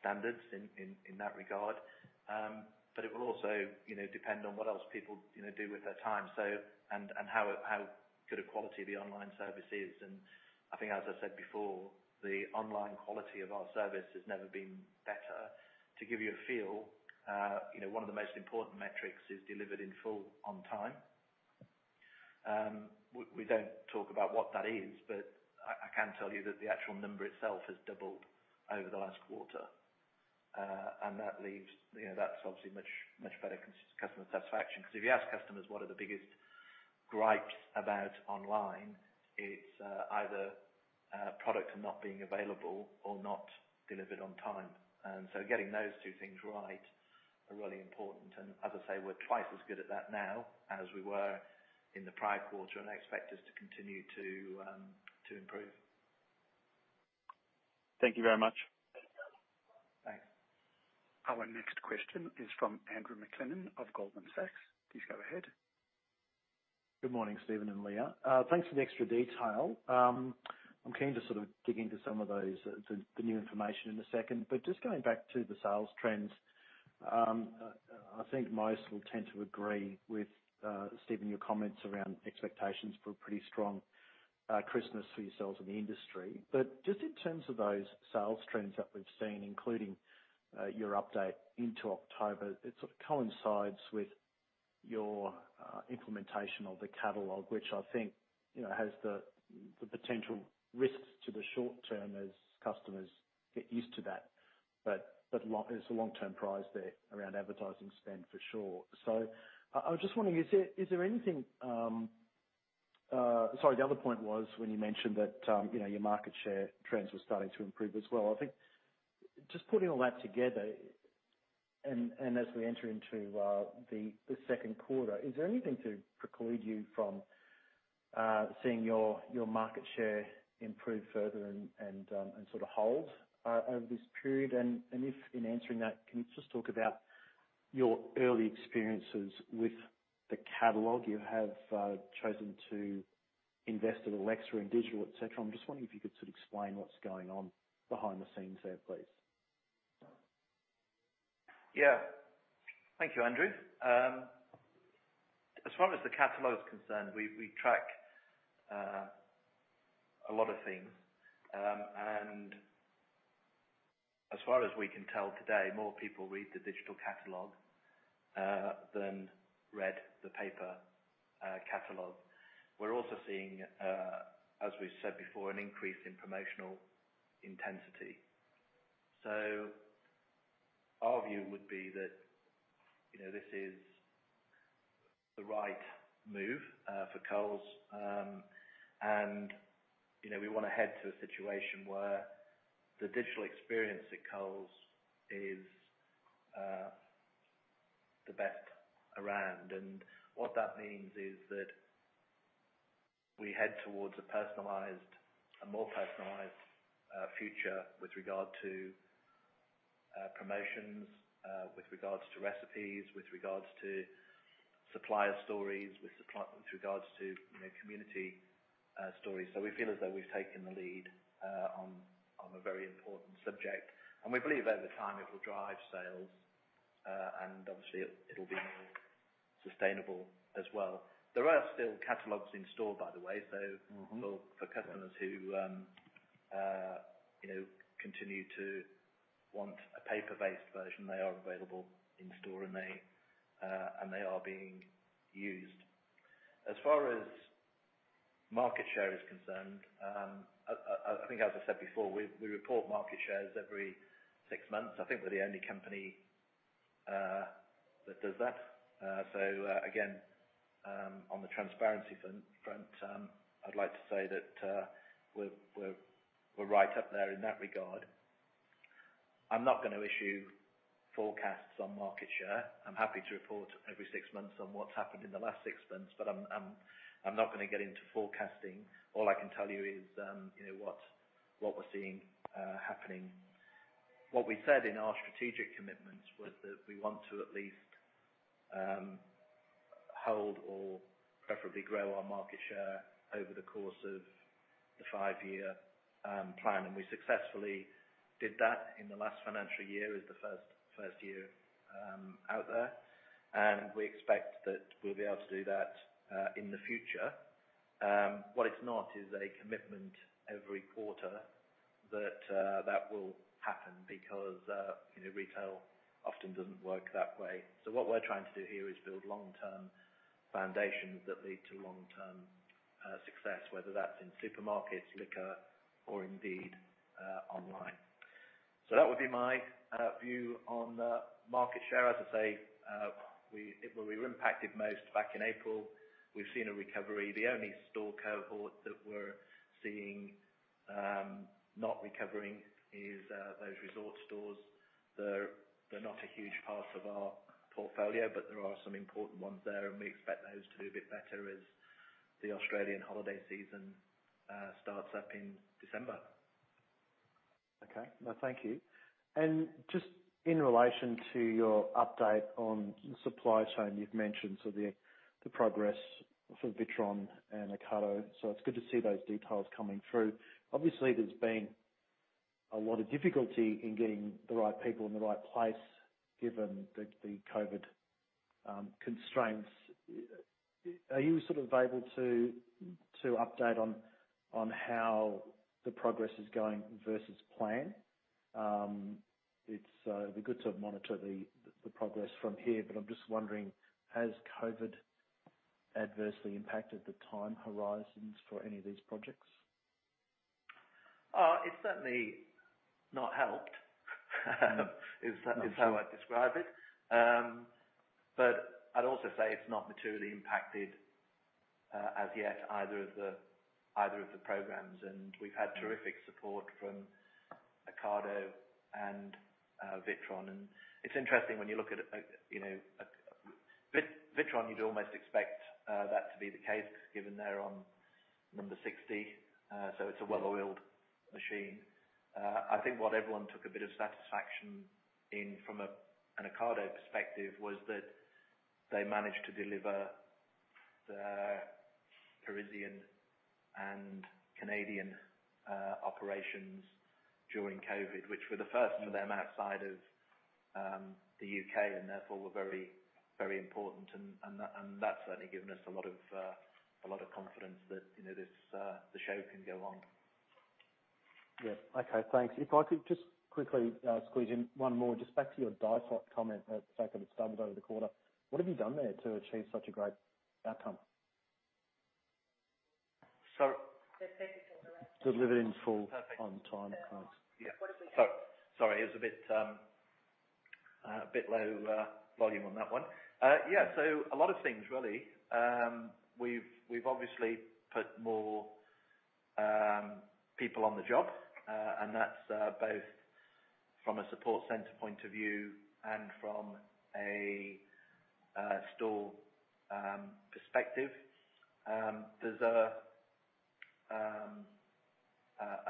standards in that regard. But it will also depend on what else people do with their time and how good a quality the online service is. And I think, as I said before, the online quality of our service has never been better. To give you a feel, one of the most important metrics is delivered in full on time. We don't talk about what that is, but I can tell you that the actual number itself has doubled over the last quarter, and that leaves, that's obviously much better customer satisfaction. Because if you ask customers what are the biggest gripes about online, it's either products not being available or not delivered on time, and so getting those two things right are really important, and as I say, we're twice as good at that now as we were in the prior quarter, and I expect us to continue to improve. Thank you very much. Thanks. Our next question is from Andrew McLennan of Goldman Sachs. Please go ahead. Good morning, Steven and Leah. Thanks for the extra detail. I'm keen to sort of dig into some of the new information in a second. But just going back to the sales trends, I think most will tend to agree with Steven and your comments around expectations for a pretty strong Christmas for yourselves in the industry. But just in terms of those sales trends that we've seen, including your update into October, it sort of coincides with your implementation of the catalog, which I think has the potential risks to the short term as customers get used to that. But it's a long-term prize there around advertising spend for sure. So I was just wondering, is there anything, sorry, the other point was when you mentioned that your market share trends were starting to improve as well. I think just putting all that together, and as we enter into the second quarter, is there anything to preclude you from seeing your market share improve further and sort of hold over this period? And if in answering that, can you just talk about your early experiences with the catalog? You have chosen to invest in Alexa and digital, etc. I'm just wondering if you could sort of explain what's going on behind the scenes there, please. Yeah. Thank you, Andrew. As far as the catalog is concerned, we track a lot of things, and as far as we can tell today, more people read the digital catalog than read the paper catalog. We're also seeing, as we've said before, an increase in promotional intensity, so our view would be that this is the right move for Coles, and we want to head to a situation where the digital experience at Coles is the best around. And what that means is that we head towards a more personalized future with regard to promotions, with regards to recipes, with regards to supplier stories, with regards to community stories, so we feel as though we've taken the lead on a very important subject, and we believe over time it will drive sales, and obviously, it'll be more sustainable as well. There are still catalogs in store, by the way. For customers who continue to want a paper-based version, they are available in store, and they are being used. As far as market share is concerned, I think, as I said before, we report market shares every six months. I think we're the only company that does that. So again, on the transparency front, I'd like to say that we're right up there in that regard. I'm not going to issue forecasts on market share. I'm happy to report every six months on what's happened in the last six months, but I'm not going to get into forecasting. All I can tell you is what we're seeing happening. What we said in our strategic commitments was that we want to at least hold or preferably grow our market share over the course of the five-year plan. And we successfully did that in the last financial year as the first year out there. And we expect that we'll be able to do that in the future. What it's not is a commitment every quarter that that will happen because retail often doesn't work that way. So what we're trying to do here is build long-term foundations that lead to long-term success, whether that's in supermarkets, liquor, or indeed online. So that would be my view on market share. As I say, where we were impacted most back in April, we've seen a recovery. The only store cohort that we're seeing not recovering is those resort stores. They're not a huge part of our portfolio, but there are some important ones there. And we expect those to do a bit better as the Australian holiday season starts up in December. Okay. No, thank you. And just in relation to your update on the supply chain, you've mentioned sort of the progress for Witron and Ocado. So it's good to see those details coming through. Obviously, there's been a lot of difficulty in getting the right people in the right place given the COVID constraints. Are you sort of able to update on how the progress is going versus plan? It'd be good to monitor the progress from here. But I'm just wondering, has COVID adversely impacted the time horizons for any of these projects? It's certainly not helped, is how I'd describe it. But I'd also say it's not materially impacted as yet either of the programs. And we've had terrific support from Ocado and Witron. And it's interesting when you look at Witron, you'd almost expect that to be the case given they're on number 60. So it's a well-oiled machine. I think what everyone took a bit of satisfaction in from an Ocado perspective was that they managed to deliver the Parisian and Canadian operations during COVID, which were the first for them outside of the U.K. and therefore were very important. And that's certainly given us a lot of confidence that the show can go on. Yeah. Okay. Thanks. If I could just quickly squeeze in one more, just back to your DIFOT comment that's started over the quarter. What have you done there to achieve such a great outcome? So. Perfectly correct. Delivered in full on time. Perfectly correct. Yeah. Sorry. It was a bit low volume on that one. Yeah. So a lot of things, really. We've obviously put more people on the job, and that's both from a support center point of view and from a store perspective. There's a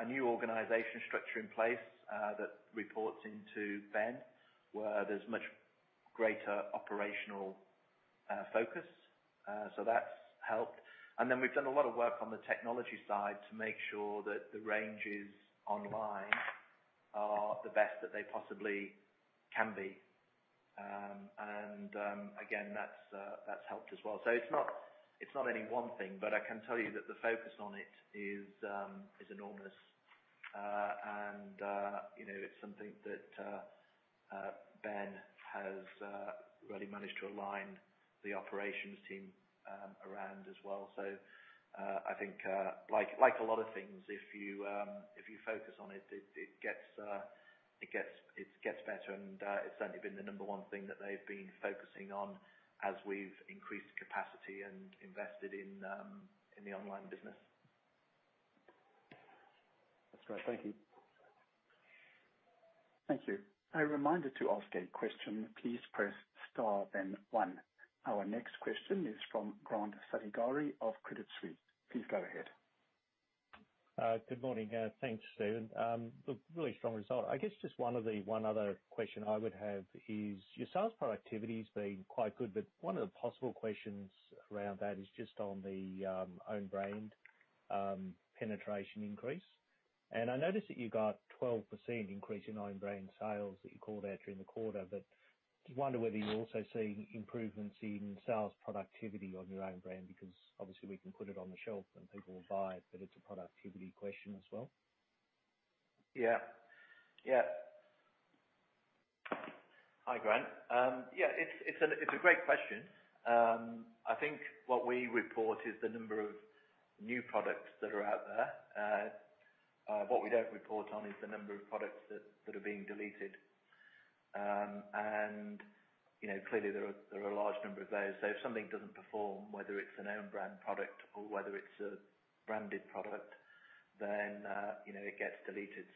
new organization structure in place that reports into Ben where there's much greater operational focus. So that's helped. And then we've done a lot of work on the technology side to make sure that the ranges online are the best that they possibly can be. And again, that's helped as well. So it's not any one thing, but I can tell you that the focus on it is enormous. And it's something that Ben has really managed to align the operations team around as well. So I think, like a lot of things, if you focus on it, it gets better. It's certainly been the number one thing that they've been focusing on as we've increased capacity and invested in the online business. That's great. Thank you. Thank you. A reminder to ask a question. Please press star then one. Our next question is from Grant Saligari of Credit Suisse. Please go ahead. Good morning. Thanks, Steven. Look, really strong result. I guess just one other question I would have is your sales productivity has been quite good, but one of the possible questions around that is just on the own brand penetration increase. And I noticed that you got a 12% increase in own brand sales that you called out during the quarter, but I just wonder whether you're also seeing improvements in sales productivity on your own brand because obviously we can put it on the shelf and people will buy it, but it's a productivity question as well. Yeah. Yeah. Hi, Grant. Yeah, it's a great question. I think what we report is the number of new products that are out there. What we don't report on is the number of products that are being deleted, and clearly there are a large number of those, so if something doesn't perform, whether it's an own brand product or whether it's a branded product, then it gets deleted.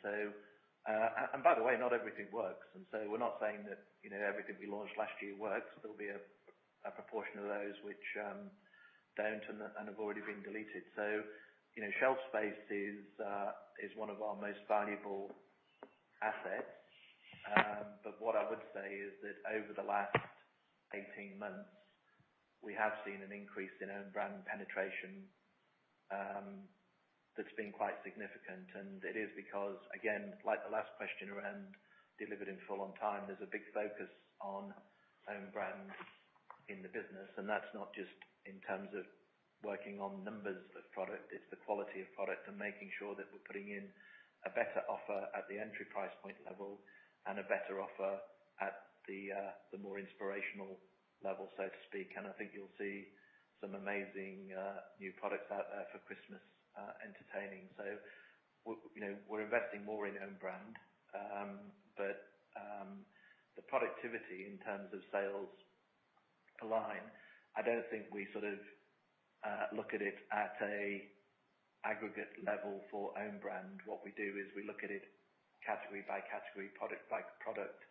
And by the way, not everything works, and so we're not saying that everything we launched last year works. There'll be a proportion of those which don't and have already been deleted, so shelf space is one of our most valuable assets. But what I would say is that over the last 18 months, we have seen an increase in own brand penetration that's been quite significant. And it is because, again, like the last question around delivered in full on time, there's a big focus on own brand in the business. And that's not just in terms of working on number of products. It's the quality of product and making sure that we're putting in a better offer at the entry price point level and a better offer at the more inspirational level, so to speak. And I think you'll see some amazing new products out there for Christmas entertaining. So we're investing more in own brand, but the productivity in terms of sales alignment. I don't think we sort of look at it at an aggregate level for own brand. What we do is we look at it category by category, product by product,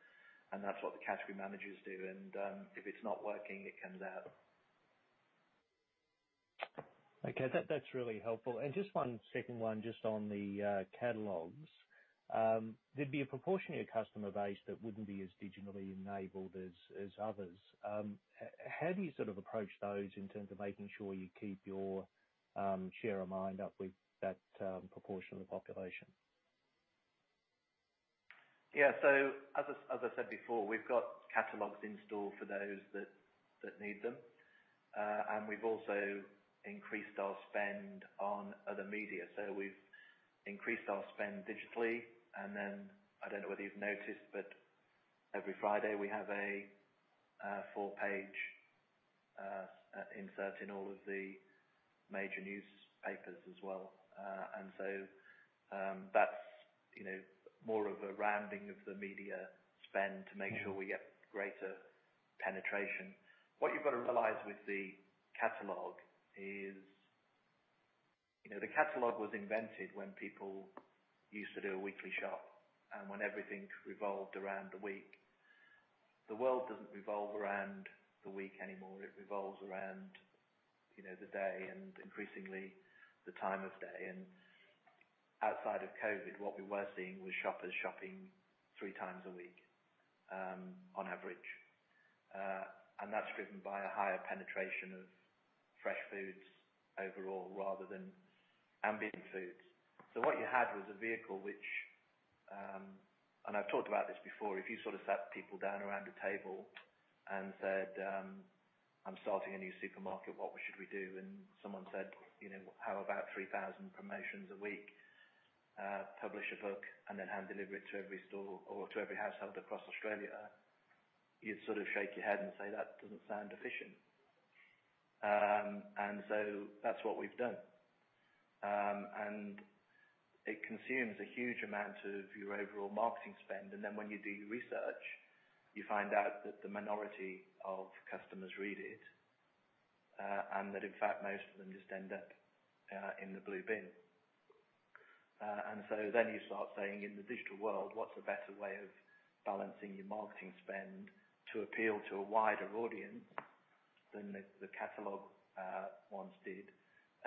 and that's what the category managers do. And if it's not working, it comes out. Okay. That's really helpful and just one second, one on the catalogs. There'd be a proportion of your customer base that wouldn't be as digitally enabled as others. How do you sort of approach those in terms of making sure you keep your share of mind up with that proportion of the population? Yeah. So as I said before, we've got catalogs in store for those that need them. And we've also increased our spend on other media. So we've increased our spend digitally. And then I don't know whether you've noticed, but every Friday we have a four-page insert in all of the major newspapers as well. And so that's more of a rounding of the media spend to make sure we get greater penetration. What you've got to realize with the catalog is the catalog was invented when people used to do a weekly shop and when everything revolved around the week. The world doesn't revolve around the week anymore. It revolves around the day and increasingly the time of day. And outside of COVID, what we were seeing was shoppers shopping three times a week on average. And that's driven by a higher penetration of fresh foods overall rather than ambient foods. So what you had was a vehicle which, and I've talked about this before, if you sort of sat people down around a table and said, "I'm starting a new supermarket. What should we do?" And someone said, "How about 3,000 promotions a week, publish a book, and then hand-deliver it to every store or to every household across Australia?" You'd sort of shake your head and say, "That doesn't sound efficient." And so that's what we've done. And it consumes a huge amount of your overall marketing spend. And then when you do your research, you find out that the minority of customers read it and that, in fact, most of them just end up in the blue bin. And so then you start saying, in the digital world, what's a better way of balancing your marketing spend to appeal to a wider audience than the catalog once did?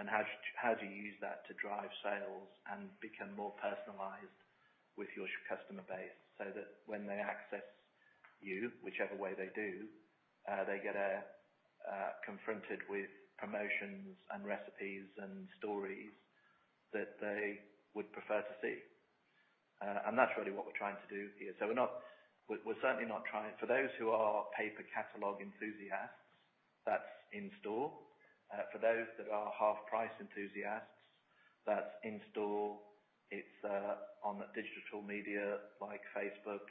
And how do you use that to drive sales and become more personalized with your customer base so that when they access you, whichever way they do, they get confronted with promotions and recipes and stories that they would prefer to see? And that's really what we're trying to do here. So we're certainly not trying for those who are paper catalog enthusiasts, that's in store. For those that are half-price enthusiasts, that's in store. It's on digital media like Facebook.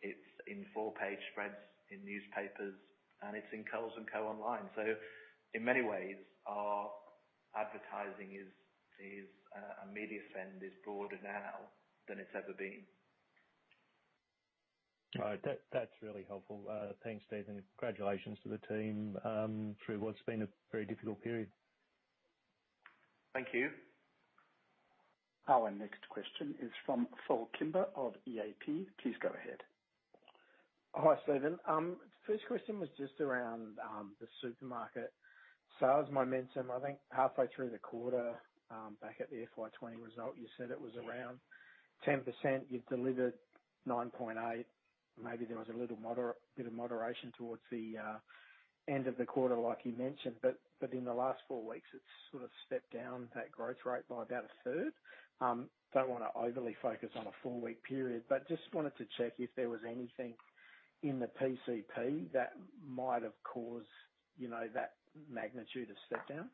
It's in four-page spreads in newspapers, and it's in Coles & Co. online. So in many ways, our advertising media spend is broader now than it's ever been. All right. That's really helpful. Thanks, Steven. Congratulations to the team through what's been a very difficult period. Thank you. Our next question is from Phil Kimber of Evans and Partners. Please go ahead. Hi, Steven. First question was just around the supermarket sales momentum. I think halfway through the quarter, back at the FY20 result, you said it was around 10%. You've delivered 9.8%. Maybe there was a little bit of moderation towards the end of the quarter, like you mentioned. But in the last four weeks, it's sort of stepped down that growth rate by about a third. Don't want to overly focus on a four-week period, but just wanted to check if there was anything in the PCP that might have caused that magnitude of step-down.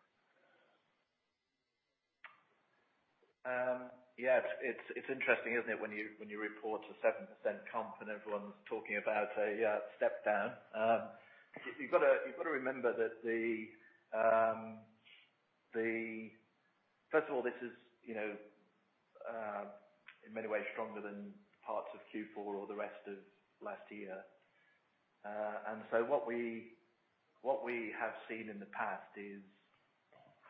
Yeah. It's interesting, isn't it, when you report a 7% comp and everyone's talking about a step-down? You've got to remember that the first of all, this is in many ways stronger than parts of Q4 or the rest of last year. And so what we have seen in the past is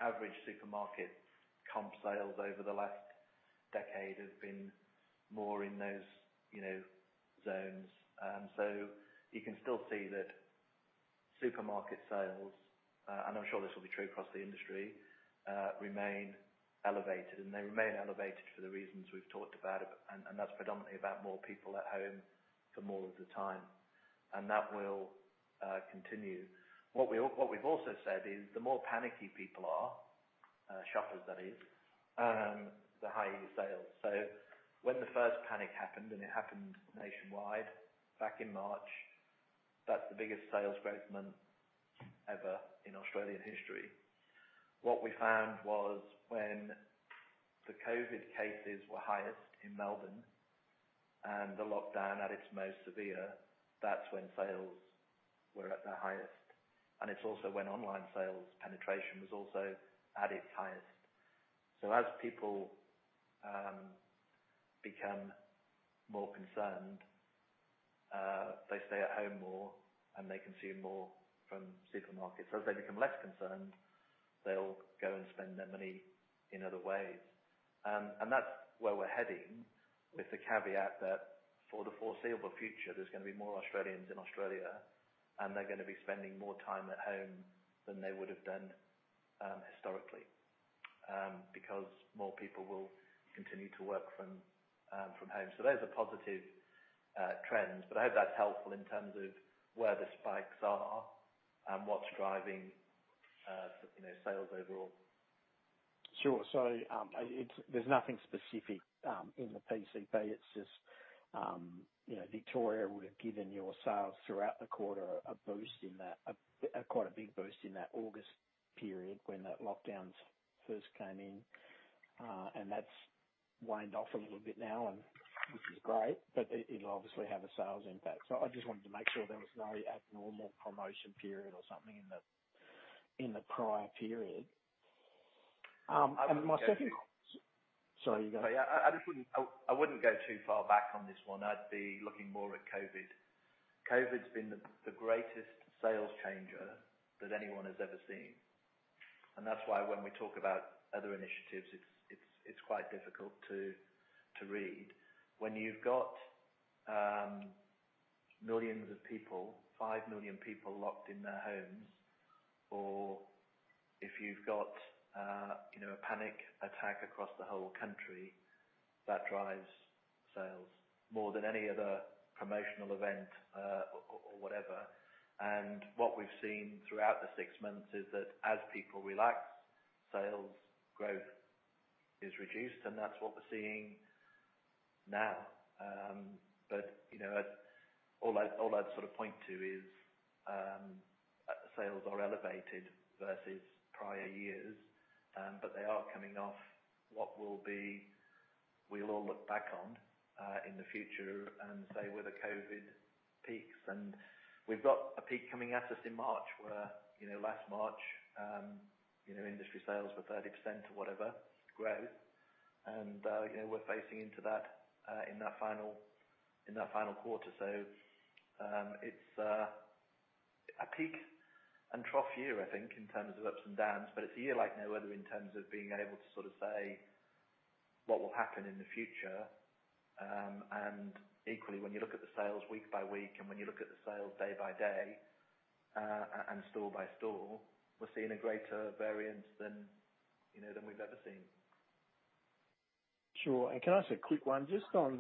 average supermarket comp sales over the last decade have been more in those zones. And so you can still see that supermarket sales, and I'm sure this will be true across the industry, remain elevated. And they remain elevated for the reasons we've talked about. And that's predominantly about more people at home for more of the time. And that will continue. What we've also said is the more panicky people are, shoppers that is, the higher your sales. So when the first panic happened, and it happened nationwide back in March, that's the biggest sales growth month ever in Australian history. What we found was when the COVID-19 cases were highest in Melbourne and the lockdown at its most severe, that's when sales were at their highest. And it's also when online sales penetration was also at its highest. So as people become more concerned, they stay at home more and they consume more from supermarkets. As they become less concerned, they'll go and spend their money in other ways. And that's where we're heading with the caveat that for the foreseeable future, there's going to be more Australians in Australia, and they're going to be spending more time at home than they would have done historically because more people will continue to work from home. So those are positive trends. But I hope that's helpful in terms of where the spikes are and what's driving sales overall. Sure. So there's nothing specific in the PCP. It's just Victoria would have given your sales throughout the quarter a boost in that, quite a big boost in that August period when that lockdown first came in. And that's waned off a little bit now, which is great, but it'll obviously have a sales impact. So I just wanted to make sure there was no abnormal promotion period or something in the prior period. And my second. I think. Sorry, you go. I wouldn't go too far back on this one. I'd be looking more at COVID. COVID's been the greatest sales changer that anyone has ever seen, and that's why when we talk about other initiatives, it's quite difficult to read. When you've got millions of people, five million people locked in their homes, or if you've got a panic buying across the whole country, that drives sales more than any other promotional event or whatever, and what we've seen throughout the six months is that as people relax, sales growth is reduced, and that's what we're seeing now, but all I'd sort of point to is sales are elevated versus prior years, but they are coming off what will be, we'll all look back on in the future and say where the COVID peaks. And we've got a peak coming at us in March where last March, industry sales were 30% or whatever growth. And we're facing into that in that final quarter. So it's a peak and trough year, I think, in terms of ups and downs, but it's a year like no other in terms of being able to sort of say what will happen in the future. And equally, when you look at the sales week by week and when you look at the sales day by day and store by store, we're seeing a greater variance than we've ever seen. Sure. And can I ask a quick one? Just on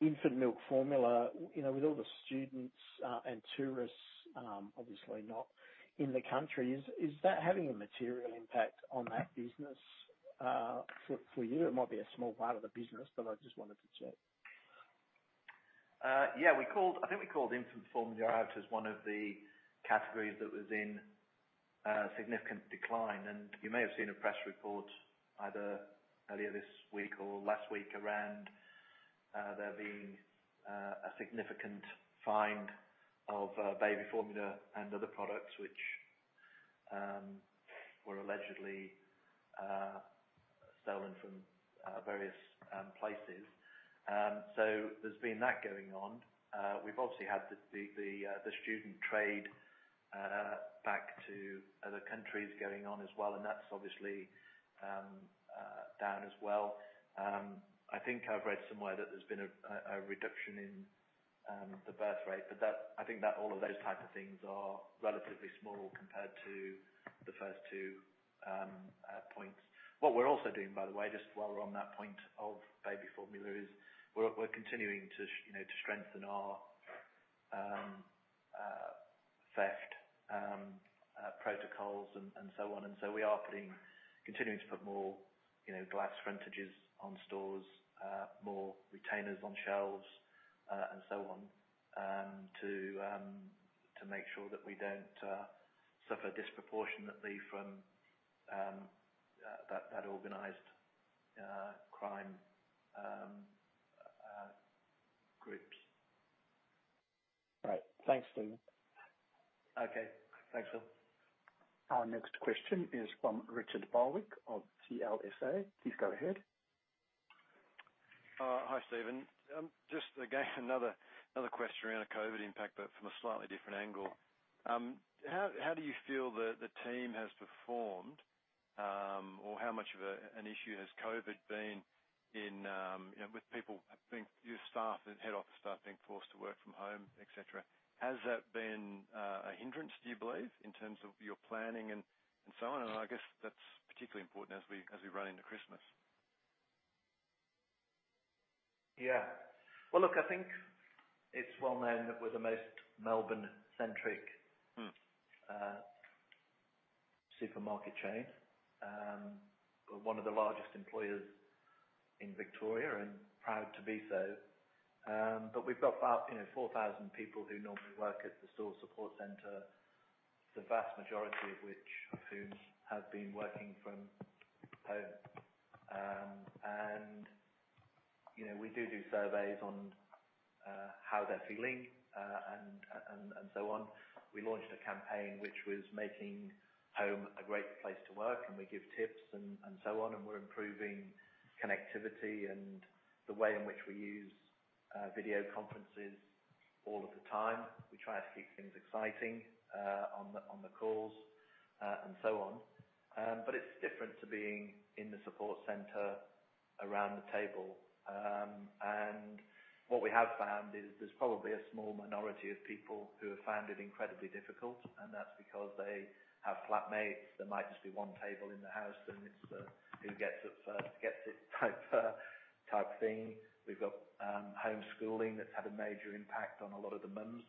infant milk formula, with all the students and tourists, obviously not in the country, is that having a material impact on that business for you? It might be a small part of the business, but I just wanted to check. Yeah. I think we called infant formula out as one of the categories that was in significant decline, and you may have seen a press report either earlier this week or last week around there being a significant find of baby formula and other products which were allegedly stolen from various places, so there's been that going on. We've obviously had the student trade back to other countries going on as well, and that's obviously down as well. I think I've read somewhere that there's been a reduction in the birth rate, but I think that all of those types of things are relatively small compared to the first two points. What we're also doing, by the way, just while we're on that point of baby formula is we're continuing to strengthen our theft protocols and so on. And so we are continuing to put more glass frontages on stores, more retainers on shelves, and so on to make sure that we don't suffer disproportionately from that organized crime groups. All right. Thanks, Steven. Okay. Thanks, Phil. Our next question is from Richard Barwick of CLSA. Please go ahead. Hi, Steven. Just again, another question around a COVID impact, but from a slightly different angle. How do you feel the team has performed, or how much of an issue has COVID been with people, your staff and head office staff being forced to work from home, etc.? Has that been a hindrance, do you believe, in terms of your planning and so on, and I guess that's particularly important as we run into Christmas. Yeah. Well, look, I think it's well known that we're the most Melbourne-centric supermarket chain, one of the largest employers in Victoria and proud to be so. But we've got about 4,000 people who normally work at the store support center, the vast majority of whom have been working from home. And we do do surveys on how they're feeling and so on. We launched a campaign which was making home a great place to work, and we give tips and so on, and we're improving connectivity and the way in which we use video conferences all of the time. We try to keep things exciting on the calls and so on. But it's different to being in the support center around the table. And what we have found is there's probably a small minority of people who have found it incredibly difficult, and that's because they have flatmates. There might just be one table in the house, and it's the who gets up first gets it type thing. We've got homeschooling that's had a major impact on a lot of the moms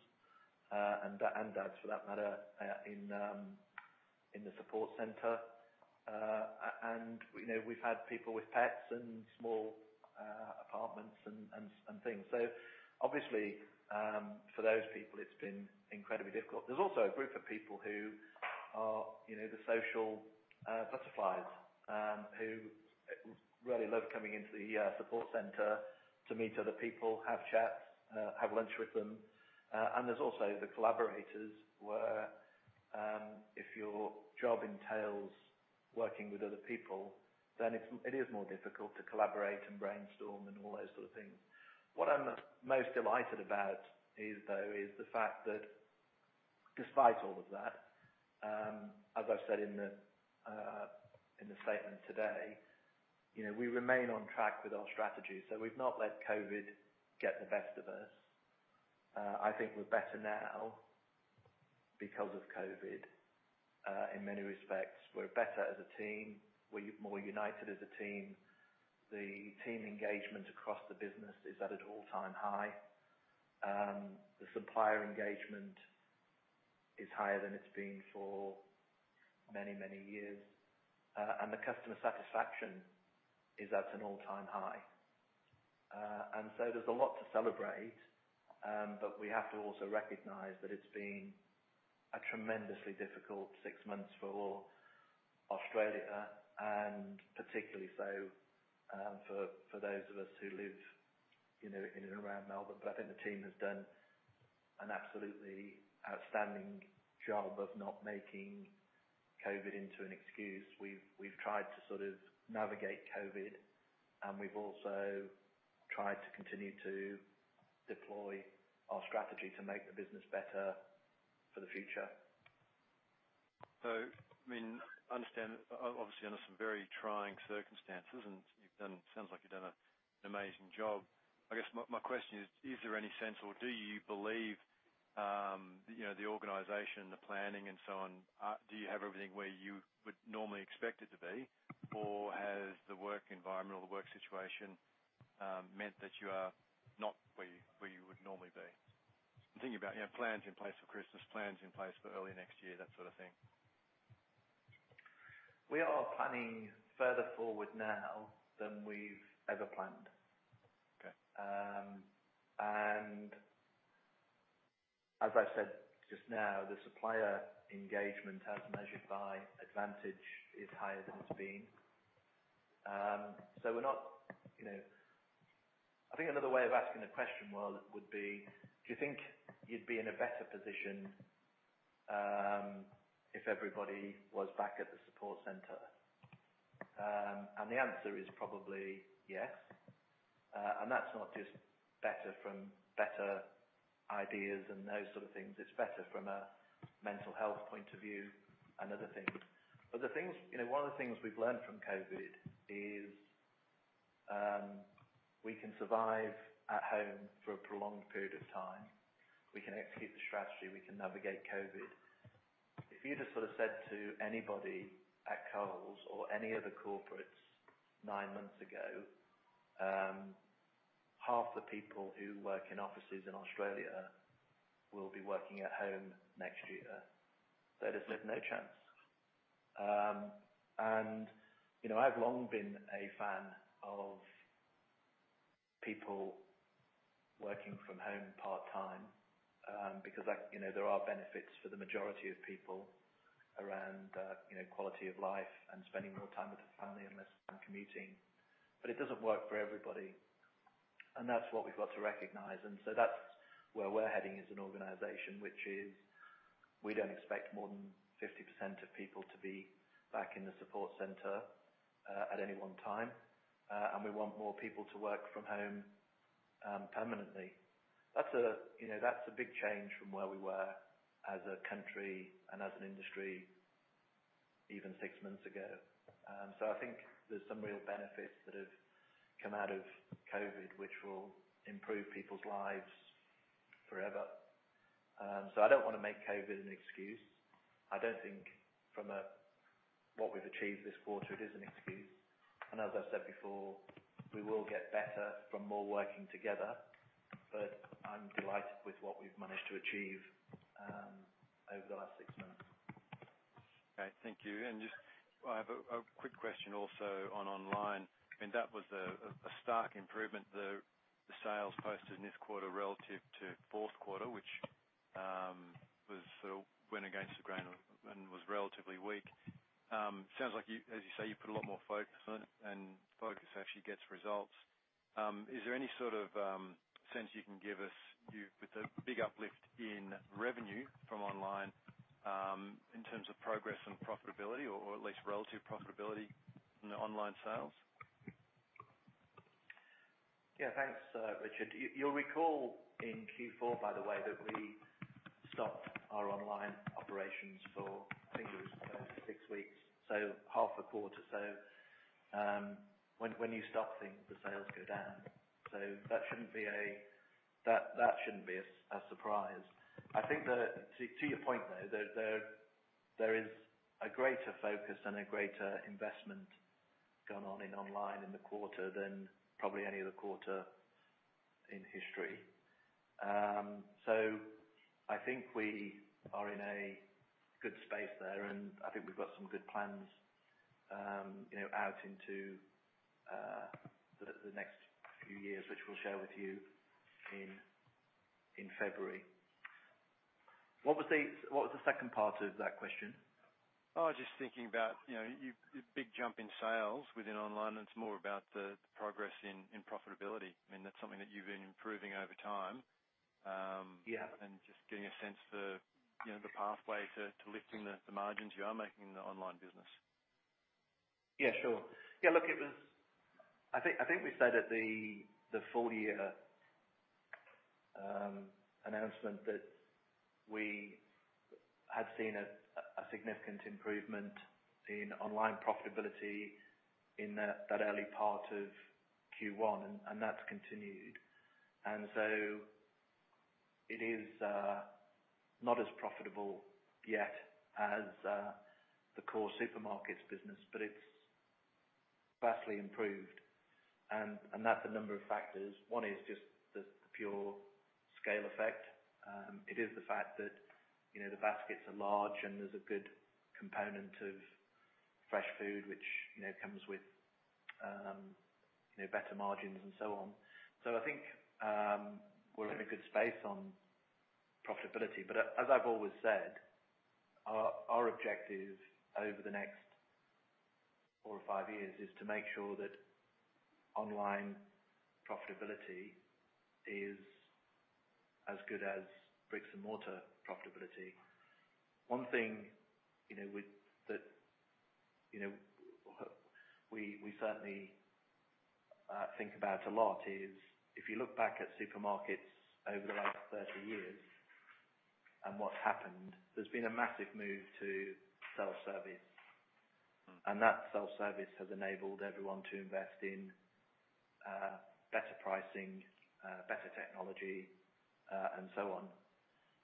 and dads, for that matter, in the support center. And we've had people with pets and small apartments and things. So obviously, for those people, it's been incredibly difficult. There's also a group of people who are the social butterflies who really love coming into the support center to meet other people, have chats, have lunch with them. And there's also the collaborators where, if your job entails working with other people, then it is more difficult to collaborate and brainstorm and all those sort of things. What I'm most delighted about, though, is the fact that despite all of that, as I've said in the statement today, we remain on track with our strategy. So we've not let COVID get the best of us. I think we're better now because of COVID in many respects. We're better as a team. We're more united as a team. The team engagement across the business is at an all-time high. The supplier engagement is higher than it's been for many, many years. And the customer satisfaction is at an all-time high. And so there's a lot to celebrate, but we have to also recognize that it's been a tremendously difficult six months for Australia, and particularly so for those of us who live in and around Melbourne. But I think the team has done an absolutely outstanding job of not making COVID into an excuse. We've tried to sort of navigate COVID, and we've also tried to continue to deploy our strategy to make the business better for the future. So I mean, I understand, obviously, under some very trying circumstances, and it sounds like you've done an amazing job. I guess my question is, is there any sense, or do you believe the organisation, the planning, and so on, do you have everything where you would normally expect it to be, or has the work environment or the work situation meant that you are not where you would normally be? I'm thinking about plans in place for Christmas, plans in place for early next year, that sort of thing. We are planning further forward now than we've ever planned. And as I said just now, the supplier engagement as measured by Advantage is higher than it's been. So we're not. I think another way of asking the question, well, would be, do you think you'd be in a better position if everybody was back at the support center? And the answer is probably yes. And that's not just better from better ideas and those sort of things. It's better from a mental health point of view and other things. One of the things we've learned from COVID is we can survive at home for a prolonged period of time. We can execute the strategy. We can navigate COVID. If you just sort of said to anybody at Coles or any of the corporates nine months ago, half the people who work in offices in Australia will be working at home next year. They just said, "No chance." And I've long been a fan of people working from home part-time because there are benefits for the majority of people around quality of life and spending more time with the family and less time commuting. But it doesn't work for everybody. And that's what we've got to recognize. And so that's where we're heading as an organization, which is we don't expect more than 50% of people to be back in the support center at any one time, and we want more people to work from home permanently. That's a big change from where we were as a country and as an industry even six months ago. So I think there's some real benefits that have come out of COVID, which will improve people's lives forever. So I don't want to make COVID an excuse. I don't think from what we've achieved this quarter, it is an excuse. And as I've said before, we will get better from more working together, but I'm delighted with what we've managed to achieve over the last six months. Okay. Thank you. And just I have a quick question also on online. I mean, that was a stark improvement. The sales posted in this quarter relative to fourth quarter, which sort of went against the grain and was relatively weak. Sounds like, as you say, you put a lot more focus on it, and focus actually gets results. Is there any sort of sense you can give us with the big uplift in revenue from online in terms of progress and profitability, or at least relative profitability in the online sales? Yeah. Thanks, Richard. You'll recall in Q4, by the way, that we stopped our online operations for, I think it was six weeks. So half a quarter. So when you stop things, the sales go down. So that shouldn't be a surprise. I think, to your point, though, there is a greater focus and a greater investment gone on in online in the quarter than probably any other quarter in history. So I think we are in a good space there, and I think we've got some good plans out into the next few years, which we'll share with you in February. What was the second part of that question? Oh, just thinking about your big jump in sales within online, and it's more about the progress in profitability. I mean, that's something that you've been improving over time, and just getting a sense for the pathway to lifting the margins you are making in the online business. Yeah. Sure. Yeah. Look, I think we said at the full-year announcement that we had seen a significant improvement in online profitability in that early part of Q1, and that's continued, and so it is not as profitable yet as the core supermarkets business, but it's vastly improved, and that's a number of factors. One is just the pure scale effect. It is the fact that the baskets are large, and there's a good component of fresh food, which comes with better margins and so on. So I think we're in a good space on profitability, but as I've always said, our objective over the next four or five years is to make sure that online profitability is as good as bricks-and-mortar profitability. One thing that we certainly think about a lot is if you look back at supermarkets over the last 30 years and what's happened, there's been a massive move to self-service. And that self-service has enabled everyone to invest in better pricing, better technology, and so on.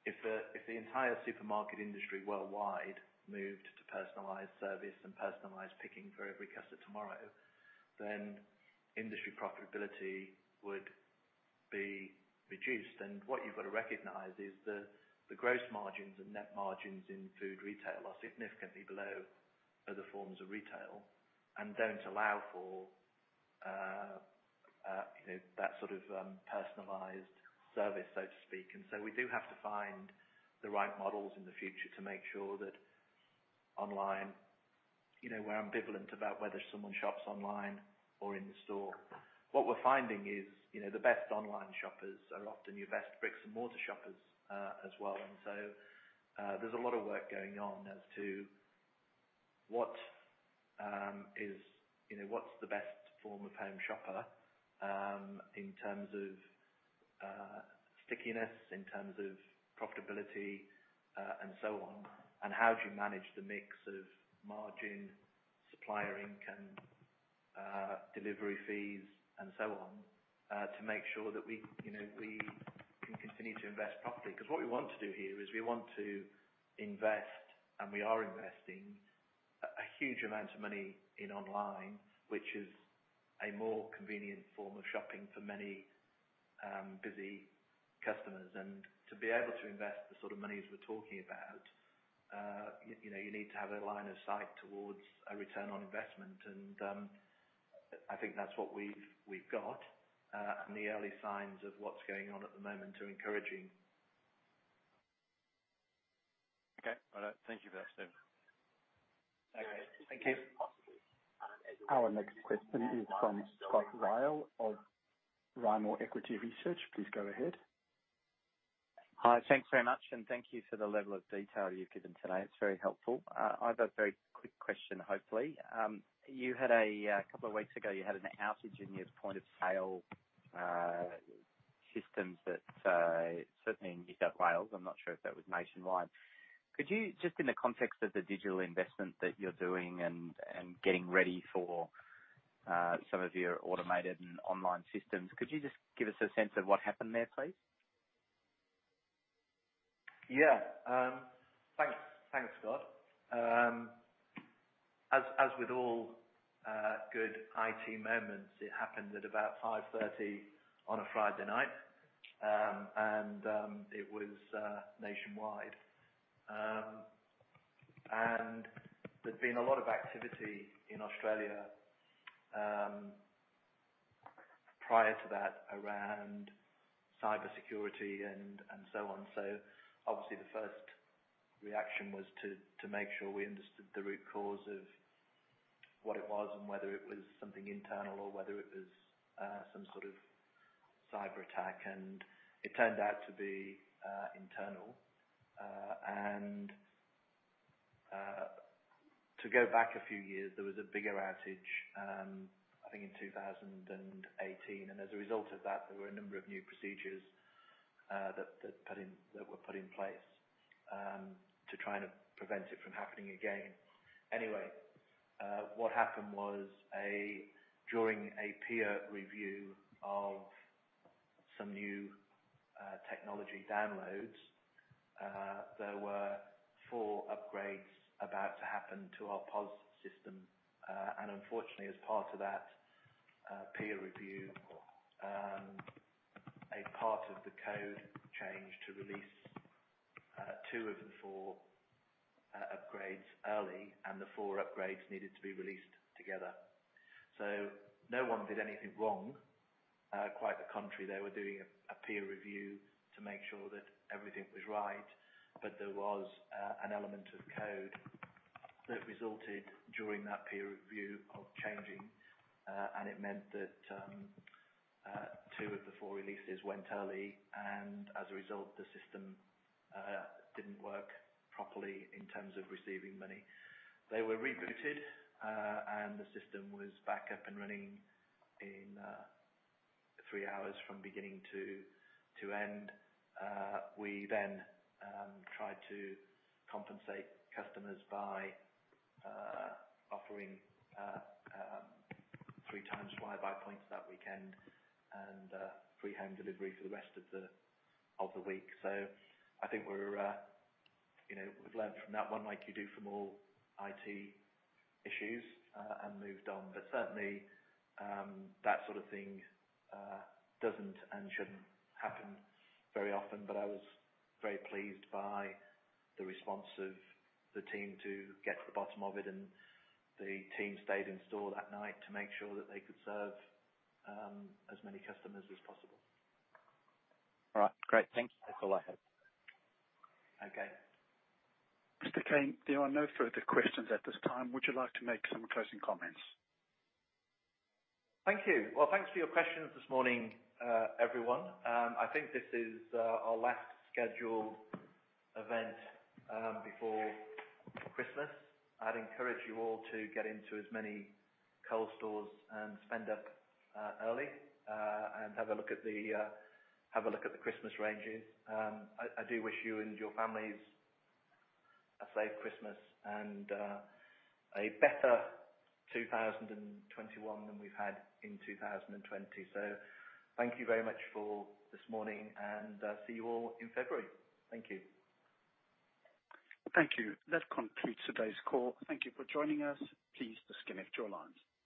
If the entire supermarket industry worldwide moved to personalized service and personalized picking for every customer tomorrow, then industry profitability would be reduced. And what you've got to recognize is the gross margins and net margins in food retail are significantly below other forms of retail and don't allow for that sort of personalized service, so to speak. And so we do have to find the right models in the future to make sure that online we're ambivalent about whether someone shops online or in the store. What we're finding is the best online shoppers are often your best bricks-and-mortar shoppers as well. And so there's a lot of work going on as to what's the best form of home shopper in terms of stickiness, in terms of profitability, and so on. And how do you manage the mix of margin, supplier income, delivery fees, and so on to make sure that we can continue to invest properly? Because what we want to do here is we want to invest, and we are investing a huge amount of money in online, which is a more convenient form of shopping for many busy customers. And to be able to invest the sort of money as we're talking about, you need to have a line of sight towards a return on investment. And I think that's what we've got and the early signs of what's going on at the moment are encouraging. Okay. All right. Thank you for that, Steve. Okay. Thank you. Our next question is from Scott Ryall of Rimor Equity Research. Please go ahead. Hi. Thanks very much. And thank you for the level of detail you've given today. It's very helpful. I've got a very quick question, hopefully. You had a couple of weeks ago, you had an outage in your point of sale systems that certainly in New South Wales. I'm not sure if that was nationwide. Just in the context of the digital investment that you're doing and getting ready for some of your automated and online systems, could you just give us a sense of what happened there, please? Yeah. Thanks, Scott. As with all good IT moments, it happened at about 5:30 P.M. on a Friday night, and it was nationwide, and there's been a lot of activity in Australia prior to that around cybersecurity and so on, so obviously, the first reaction was to make sure we understood the root cause of what it was and whether it was something internal or whether it was some sort of cyber attack, and it turned out to be internal, and to go back a few years, there was a bigger outage, I think, in 2018, and as a result of that, there were a number of new procedures that were put in place to try and prevent it from happening again. Anyway, what happened was during a peer review of some new technology downloads, there were four upgrades about to happen to our POS system. Unfortunately, as part of that peer review, a part of the code changed to release two of the four upgrades early, and the four upgrades needed to be released together. No one did anything wrong. Quite the contrary, they were doing a peer review to make sure that everything was right, but there was an element of code that resulted during that peer review of changing. It meant that two of the four releases went early, and as a result, the system didn't work properly in terms of receiving money. They were rebooted, and the system was back up and running in three hours from beginning to end. We then tried to compensate customers by offering three times Flybuys points that weekend and free home delivery for the rest of the week. So I think we've learned from that, one like you do from all IT issues, and moved on. But certainly, that sort of thing doesn't and shouldn't happen very often, but I was very pleased by the response of the team to get to the bottom of it. And the team stayed in store that night to make sure that they could serve as many customers as possible. All right. Great. Thanks. That's all I have. Okay. Mr. Cain, there are no further questions at this time. Would you like to make some closing comments? Thank you. Well, thanks for your questions this morning, everyone. I think this is our last scheduled event before Christmas. I'd encourage you all to get into as many Coles stores and spend up early and have a look at the Christmas ranges. I do wish you and your families a safe Christmas and a better 2021 than we've had in 2020. So thank you very much for this morning, and see you all in February. Thank you. Thank you. That concludes today's call. Thank you for joining us. Please disconnect your lines.